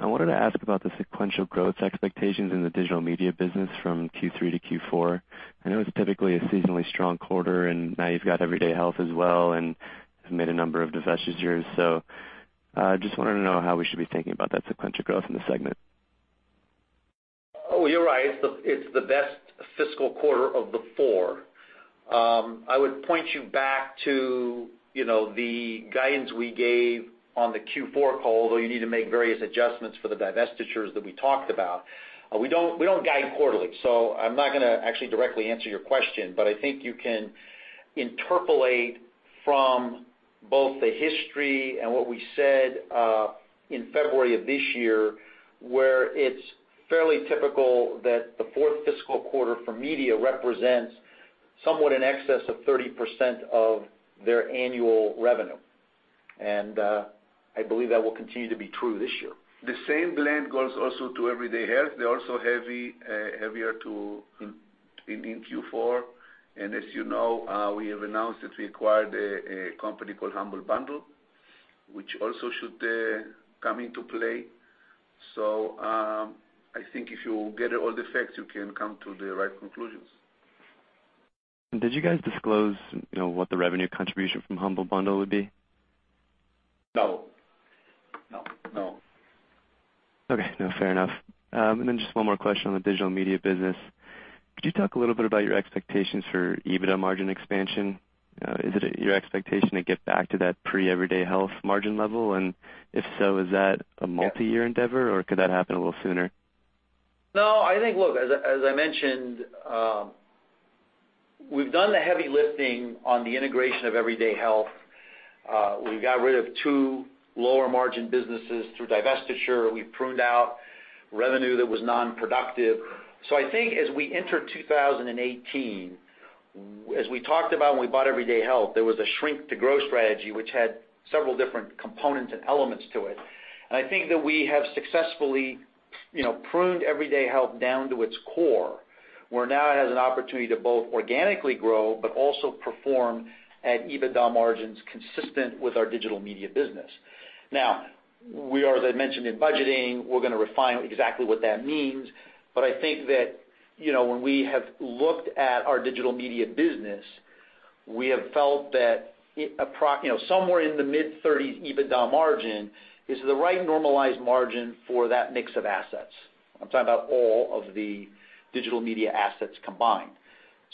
I wanted to ask about the sequential growth expectations in the Digital Media business from Q3 to Q4. I know it's typically a seasonally strong quarter, and now you've got Everyday Health as well and have made a number of divestitures. Just wanted to know how we should be thinking about that sequential growth in the segment. Oh, you're right. It's the best fiscal quarter of the four. I would point you back to the guidance we gave on the Q4 call, though you need to make various adjustments for the divestitures that we talked about. We don't guide quarterly, so I'm not going to actually directly answer your question, but I think you can interpolate from both the history and what we said, in February of this year, where it's fairly typical that the fourth fiscal quarter for media represents somewhat in excess of 30% of their annual revenue. I believe that will continue to be true this year. The same blend goes also to Everyday Health. They're also heavier in Q4. As you know, we have announced that we acquired a company called Humble Bundle, which also should come into play. I think if you get all the facts, you can come to the right conclusions. Did you guys disclose what the revenue contribution from Humble Bundle would be? No. No. Okay. No, fair enough. Then just one more question on the Digital Media business. Could you talk a little bit about your expectations for EBITDA margin expansion? Is it your expectation to get back to that pre-Everyday Health margin level? If so, is that a multi-year endeavor, or could that happen a little sooner? No, I think, look, as I mentioned, we've done the heavy lifting on the integration of Everyday Health. We got rid of two lower-margin businesses through divestiture. We pruned out revenue that was non-productive. I think as we enter 2018, as we talked about when we bought Everyday Health, there was a shrink to grow strategy, which had several different components and elements to it. I think that we have successfully pruned Everyday Health down to its core, where now it has an opportunity to both organically grow, but also perform at EBITDA margins consistent with our Digital Media business. We are, as I mentioned, in budgeting. We're going to refine exactly what that means. I think that, when we have looked at our Digital Media business, we have felt that somewhere in the mid-30s EBITDA margin is the right normalized margin for that mix of assets. I am talking about all of the Digital Media assets combined.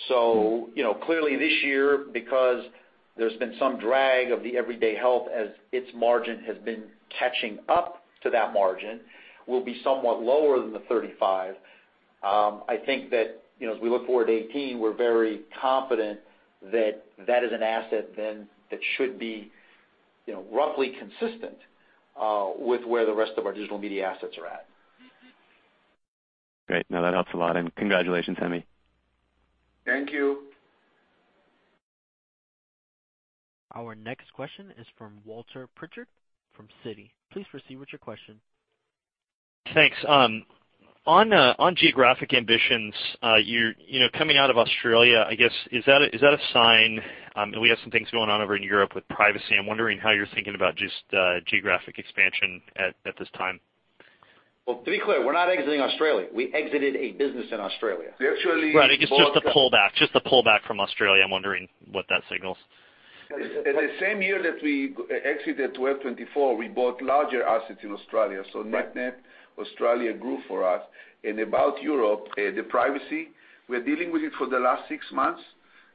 Clearly this year, because there's been some drag of the Everyday Health as its margin has been catching up to that margin, will be somewhat lower than the 35. I think that, as we look forward to 2018, we're very confident that that is an asset then that should be roughly consistent with where the rest of our Digital Media assets are at. Great. No, that helps a lot. Congratulations, Hemi. Thank you. Our next question is from Walter Pritchard from Citi. Please proceed with your question. Thanks. On geographic ambitions, coming out of Australia, I guess, is that a sign, and we have some things going on over in Europe with privacy. I'm wondering how you're thinking about just geographic expansion at this time. Well, to be clear, we're not exiting Australia. We exited a business in Australia. We actually- Right, I guess just the pullback from Australia, I'm wondering what that signals. At the same year that we exited Web24, we bought larger assets in Australia. Net-net Australia grew for us. About Europe, the privacy, we're dealing with it for the last 6 months.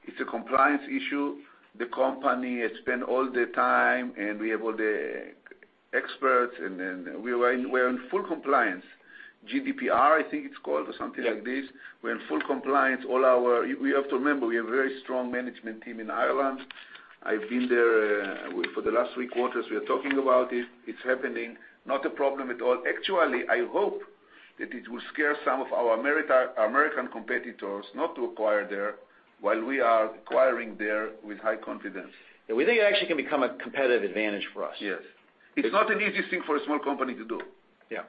It's a compliance issue. The company has spent all the time, and we have all the experts, and we're in full compliance. GDPR, I think it's called or something like this. We're in full compliance. You have to remember, we have very strong management team in Ireland. I've been there for the last 3 quarters. We are talking about it. It's happening. Not a problem at all. Actually, I hope that it will scare some of our U.S. competitors not to acquire there while we are acquiring there with high confidence. We think it actually can become a competitive advantage for us. Yes. It's not an easy thing for a small company to do. Yeah.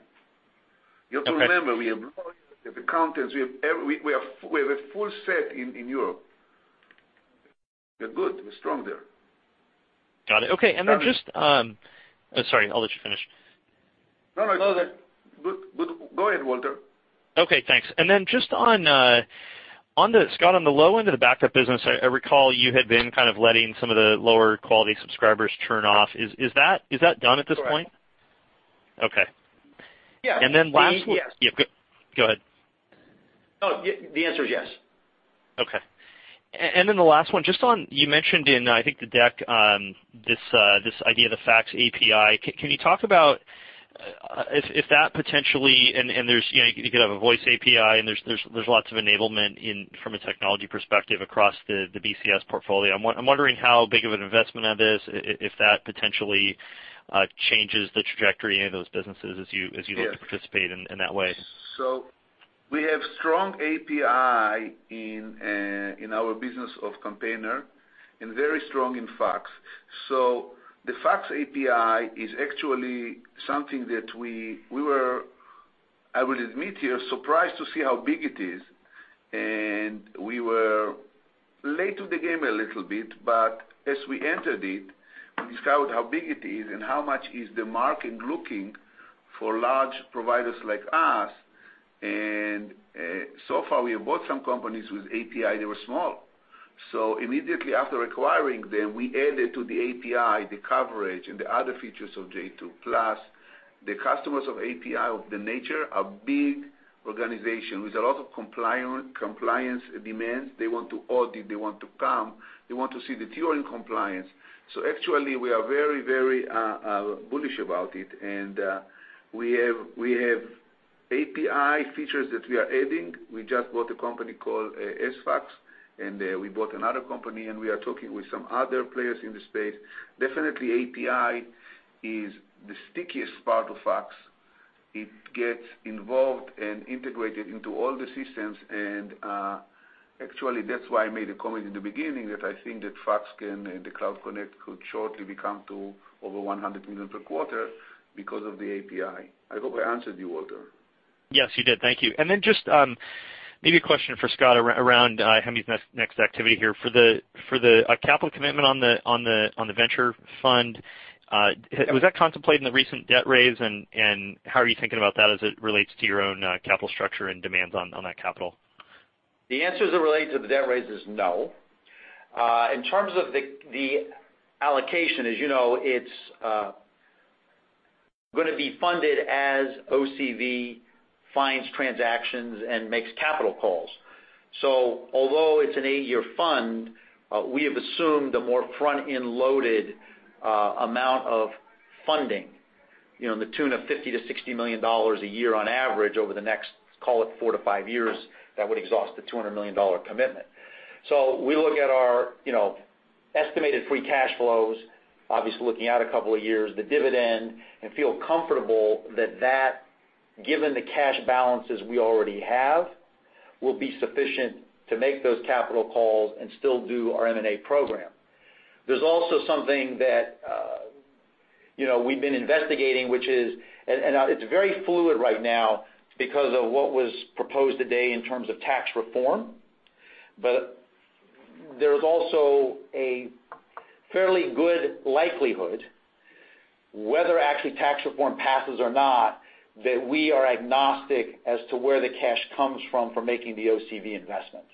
You have to remember, we have lawyers, we have accountants, we have a full set in Europe. We're good. We're strong there. Got it. Okay. Sorry. I'll let you finish. No, go ahead, Walter. Okay, thanks. Just, Scott, on the low end of the backup business, I recall you had been kind of letting some of the lower-quality subscribers churn off. Is that done at this point? Correct. Okay. Yeah. Last one- Yes. Yeah. Go ahead. Oh, the answer is yes. Okay. The last one, just on, you mentioned in, I think the deck, this idea of the fax API. Can you talk about if that potentially, you could have a voice API, and there's lots of enablement from a technology perspective across the BCS portfolio. I'm wondering how big of an investment that is, if that potentially changes the trajectory in those businesses as you- Yes look to participate in that way. We have strong API in our business of Campaigner and very strong in fax. The fax API is actually something that we were, I will admit here, surprised to see how big it is. We were late to the game a little bit, but as we entered it, we discovered how big it is and how much is the market looking for large providers like us. So far, we have bought some companies with API, they were small. Immediately after acquiring them, we added to the API, the coverage, and the other features of J2. Plus, the customers of API of the nature are big organizations with a lot of compliance demands. They want to audit, they want to come, they want to see that you're in compliance. Actually, we are very bullish about it. We have API features that we are adding. We just bought a company called Sfax. We bought another company, and we are talking with some other players in the space. Definitely API is the stickiest part of fax. It gets involved and integrated into all the systems. Actually, that's why I made a comment in the beginning that I think that fax and the Cloud Connect could shortly become to over $100 million per quarter because of the API. I hope I answered you, Walter. Yes, you did. Thank you. Then just, maybe a question for Scott around Hemi's next activity here. For the capital commitment on the venture fund, was that contemplated in the recent debt raise? How are you thinking about that as it relates to your own capital structure and demands on that capital? The answer as it relates to the debt raise is no. In terms of the allocation, as you know, it's going to be funded as OCV finds transactions and makes capital calls. Although it's an 8-year fund, we have assumed a more front-end loaded amount of funding, in the tune of $50 million-$60 million a year on average over the next, call it 4 to 5 years, that would exhaust the $200 million commitment. We look at our estimated free cash flows, obviously looking out a couple of years, the dividend, and feel comfortable that that, given the cash balances we already have, will be sufficient to make those capital calls and still do our M&A program. There's also something that we've been investigating, and it's very fluid right now because of what was proposed today in terms of tax reform. There's also a fairly good likelihood whether actually tax reform passes or not, that we are agnostic as to where the cash comes from for making the OCV investment.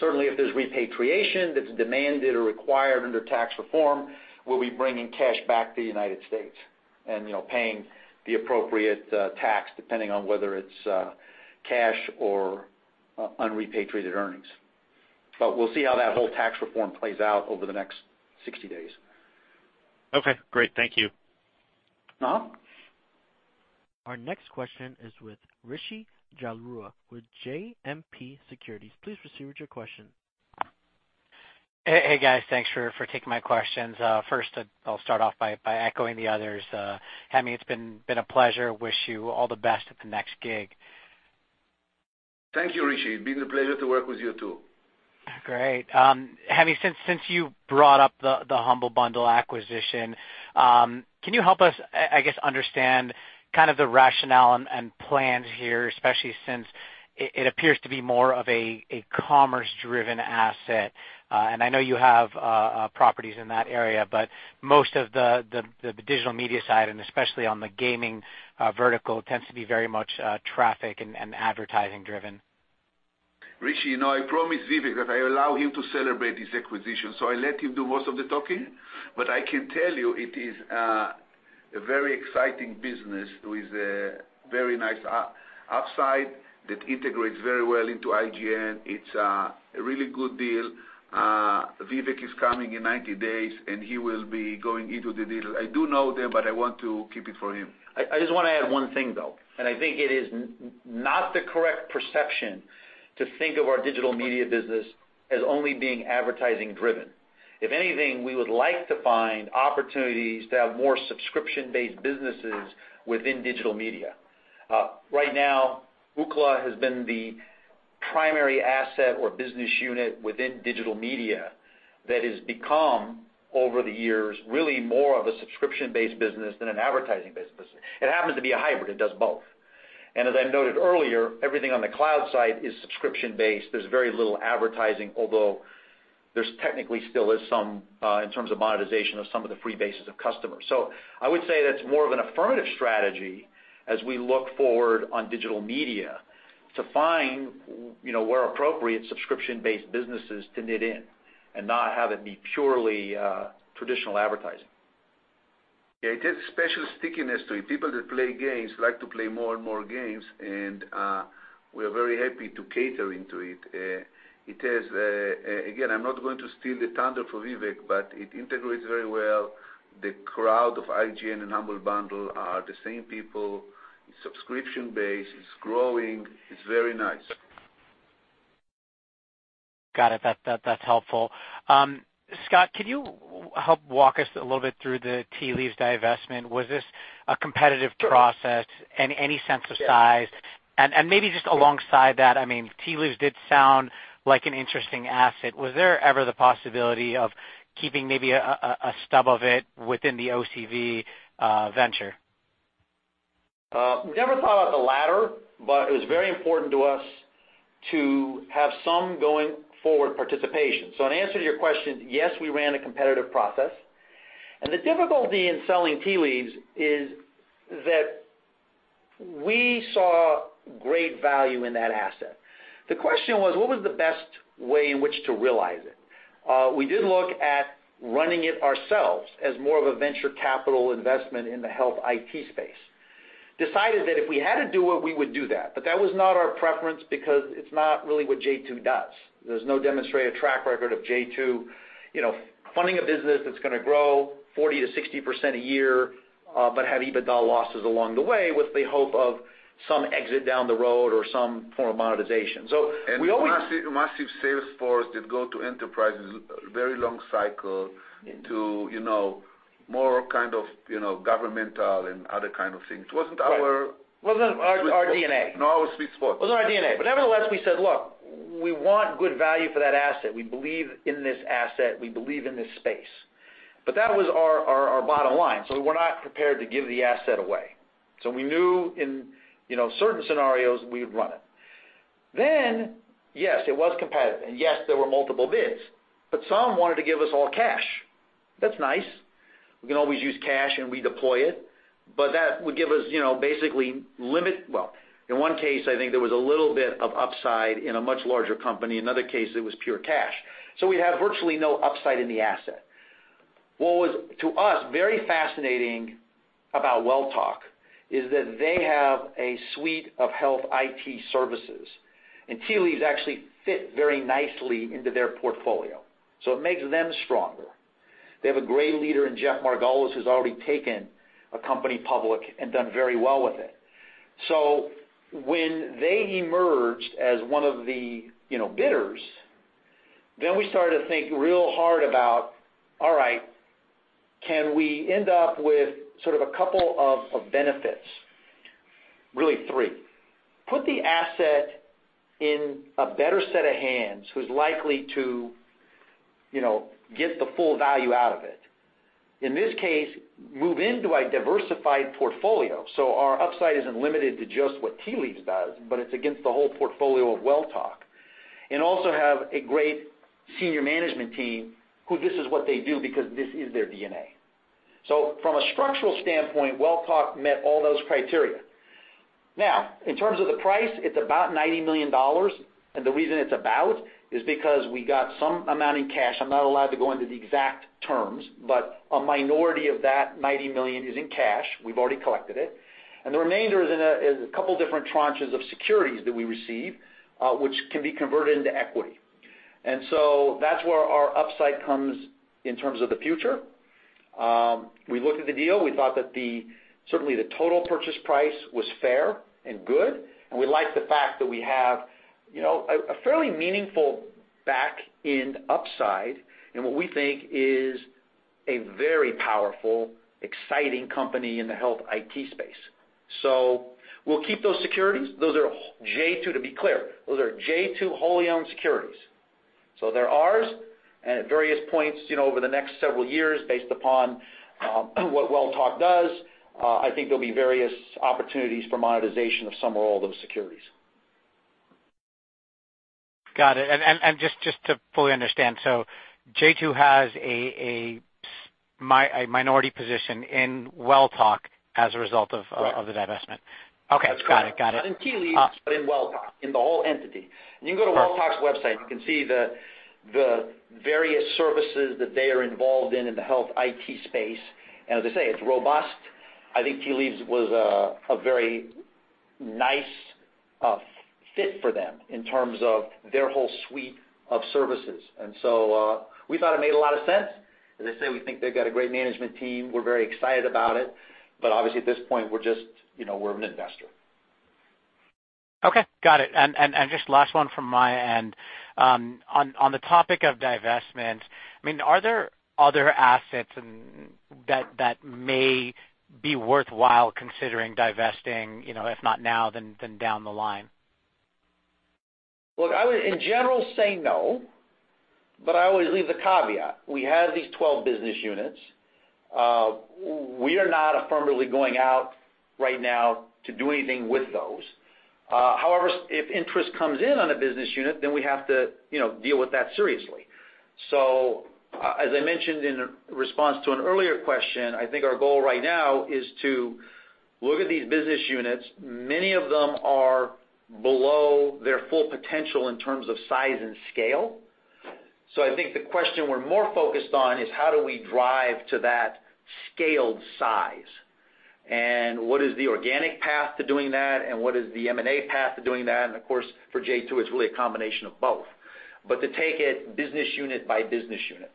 Certainly, if there's repatriation that's demanded or required under tax reform, we'll be bringing cash back to the United States and paying the appropriate tax depending on whether it's cash or unrepatriated earnings. We'll see how that whole tax reform plays out over the next 60 days. Okay, great. Thank you. No. Our next question is with Rishi Jaluria with JMP Securities. Please proceed with your question. Hey, guys. Thanks for taking my questions. First, I'll start off by echoing the others. Hemi, it's been a pleasure. Wish you all the best at the next gig. Thank you, Rishi. Been a pleasure to work with you, too. Great. Hemi, since you brought up the Humble Bundle acquisition, can you help us, I guess, understand kind of the rationale and plans here, especially since it appears to be more of a commerce-driven asset? I know you have properties in that area, but most of the Digital Media side, and especially on the gaming vertical, tends to be very much traffic and advertising driven. Rishi, I promised Vivek that I allow him to celebrate his acquisition, so I let him do most of the talking. I can tell you it is a very exciting business with a very nice upside that integrates very well into IGN. It's a really good deal. Vivek is coming in 90 days, he will be going into the deal. I do know them, but I want to keep it for him. I just want to add one thing, though, I think it is not the correct perception to think of our Digital Media business as only being advertising driven. If anything, we would like to find opportunities to have more subscription-based businesses within Digital Media. Right now, Ookla has been the primary asset or business unit within Digital Media that has become, over the years, really more of a subscription-based business than an advertising business. It happens to be a hybrid, it does both. As I noted earlier, everything on the cloud side is subscription-based. There's very little advertising, although there technically still is some, in terms of monetization of some of the free bases of customers. I would say that's more of an affirmative strategy as we look forward on Digital Media to find, where appropriate, subscription-based businesses to knit in and not have it be purely traditional advertising. Yeah, it has a special stickiness to it. People that play games like to play more and more games, we're very happy to cater into it. Again, I'm not going to steal the thunder from Vivek, it integrates very well. The crowd of IGN and Humble Bundle are the same people. Subscription base is growing. It's very nice. Got it. That's helpful. Scott, can you help walk us a little bit through the Tea Leaves divestment? Was this a competitive process? Sure. Any sense of size? Maybe just alongside that, Tea Leaves did sound like an interesting asset. Was there ever the possibility of keeping maybe a stub of it within the OCV venture? We never thought about the latter, it was very important to us to have some going forward participation. In answer to your question, yes, we ran a competitive process. The difficulty in selling Tea Leaves is that we saw great value in that asset. The question was: what was the best way in which to realize it? We did look at running it ourselves as more of a venture capital investment in the health IT space. Decided that if we had to do it, we would do that, but that was not our preference because it's not really what J2 does. There's no demonstrated track record of J2 funding a business that's going to grow 40%-60% a year, but have EBITDA losses along the way with the hope of some exit down the road or some form of monetization. We always. Massive sales force that go to enterprises, very long cycle to more kind of governmental and other kind of things. It wasn't our. Wasn't our DNA. sweet spot. Not our sweet spot. Nevertheless, we said, "Look, we want good value for that asset. We believe in this asset. We believe in this space." That was our bottom line. We're not prepared to give the asset away. We knew in certain scenarios we'd run it. Yes, it was competitive. Yes, there were multiple bids. Some wanted to give us all cash. That's nice. We can always use cash, and we deploy it. That would give us basically limit... Well, in one case, I think there was a little bit of upside in a much larger company. Another case, it was pure cash. We'd have virtually no upside in the asset. What was, to us, very fascinating about Welltok is that they have a suite of health IT services, and Tea Leaves actually fit very nicely into their portfolio. It makes them stronger. They have a great leader in Jeff Margolis, who's already taken a company public and done very well with it. When they emerged as one of the bidders, we started to think real hard about, all right, can we end up with sort of a couple of benefits? Really three. Put the asset in a better set of hands who's likely to get the full value out of it. In this case, move into a diversified portfolio. Our upside isn't limited to just what Tea Leaves does, but it's against the whole portfolio of Welltok, and also have a great senior management team who this is what they do because this is their DNA. From a structural standpoint, Welltok met all those criteria. Now, in terms of the price, it's about $90 million. The reason it's about is because we got some amount in cash. I'm not allowed to go into the exact terms, a minority of that $90 million is in cash. We've already collected it. The remainder is in a couple different tranches of securities that we receive, which can be converted into equity. That's where our upside comes in terms of the future. We looked at the deal. We thought that certainly the total purchase price was fair and good, and we liked the fact that we have a fairly meaningful back-end upside in what we think is a very powerful, exciting company in the health IT space. We'll keep those securities. To be clear, those are J2 wholly owned securities. They're ours, and at various points over the next several years, based upon what Welltok does, I think there'll be various opportunities for monetization of some or all those securities. Got it. Just to fully understand, J2 has a minority position in Welltok as a result of the divestment. Right. Okay. Got it. Not in Tea Leaves, but in Welltok, in the whole entity. You can go to Welltok's website, you can see the various services that they are involved in the health IT space. As I say, it's robust. I think Tea Leaves was a very nice fit for them in terms of their whole suite of services. We thought it made a lot of sense. As I say, we think they've got a great management team. We're very excited about it, but obviously at this point, we're an investor. Okay, got it. Just last one from my end. On the topic of divestment, are there other assets that may be worthwhile considering divesting, if not now, then down the line? Look, I would in general say no, but I always leave the caveat. We have these 12 business units. We are not affirmatively going out right now to do anything with those. However, if interest comes in on a business unit, then we have to deal with that seriously. As I mentioned in response to an earlier question, I think our goal right now is to look at these business units. Many of them are below their full potential in terms of size and scale. I think the question we're more focused on is: how do we drive to that scaled size? What is the organic path to doing that, and what is the M&A path to doing that? Of course, for J2, it's really a combination of both. To take it business unit by business unit.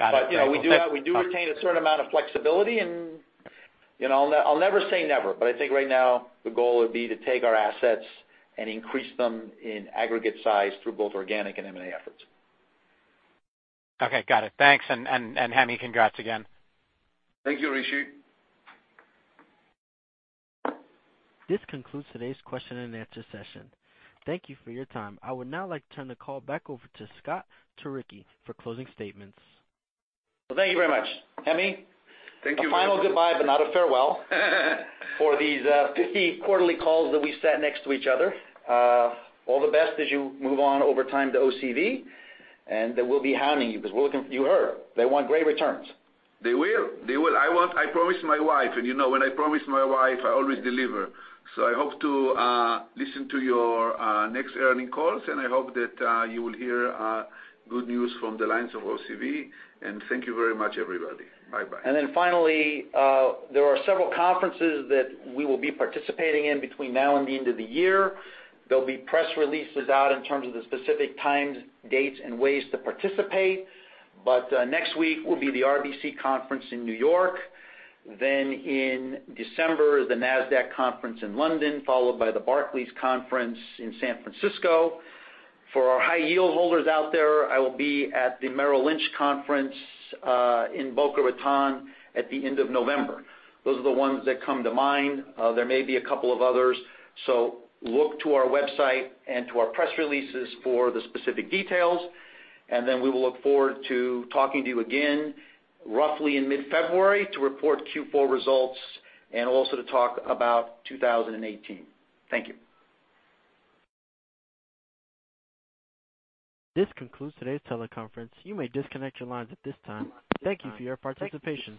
Got it. We do retain a certain amount of flexibility, and I'll never say never, but I think right now the goal would be to take our assets and increase them in aggregate size through both organic and M&A efforts. Okay. Got it. Thanks. Hemi, congrats again. Thank you, Rishi. This concludes today's question and answer session. Thank you for your time. I would now like to turn the call back over to Scott Turicchi for closing statements. Well, thank you very much. Thank you very much a final goodbye, but not a farewell for these 50 quarterly calls that we sat next to each other. All the best as you move on over time to OCV. They will be hounding you because you heard, they want great returns. They will. I promised my wife, and you know, when I promise my wife, I always deliver. I hope to listen to your next earnings calls, and I hope that you will hear good news from the lines of OCV. Thank you very much, everybody. Bye-bye. Finally, there are several conferences that we will be participating in between now and the end of the year. There'll be press releases out in terms of the specific times, dates, and ways to participate. Next week will be the RBC conference in New York, then in December, the Nasdaq conference in London, followed by the Barclays conference in San Francisco. For our high-yield holders out there, I will be at the Merrill Lynch conference, in Boca Raton at the end of November. Those are the ones that come to mind. There may be a couple of others. Look to our website and to our press releases for the specific details. We will look forward to talking to you again, roughly in mid-February to report Q4 results and also to talk about 2018. Thank you. This concludes today's teleconference. You may disconnect your lines at this time. Thank you for your participation.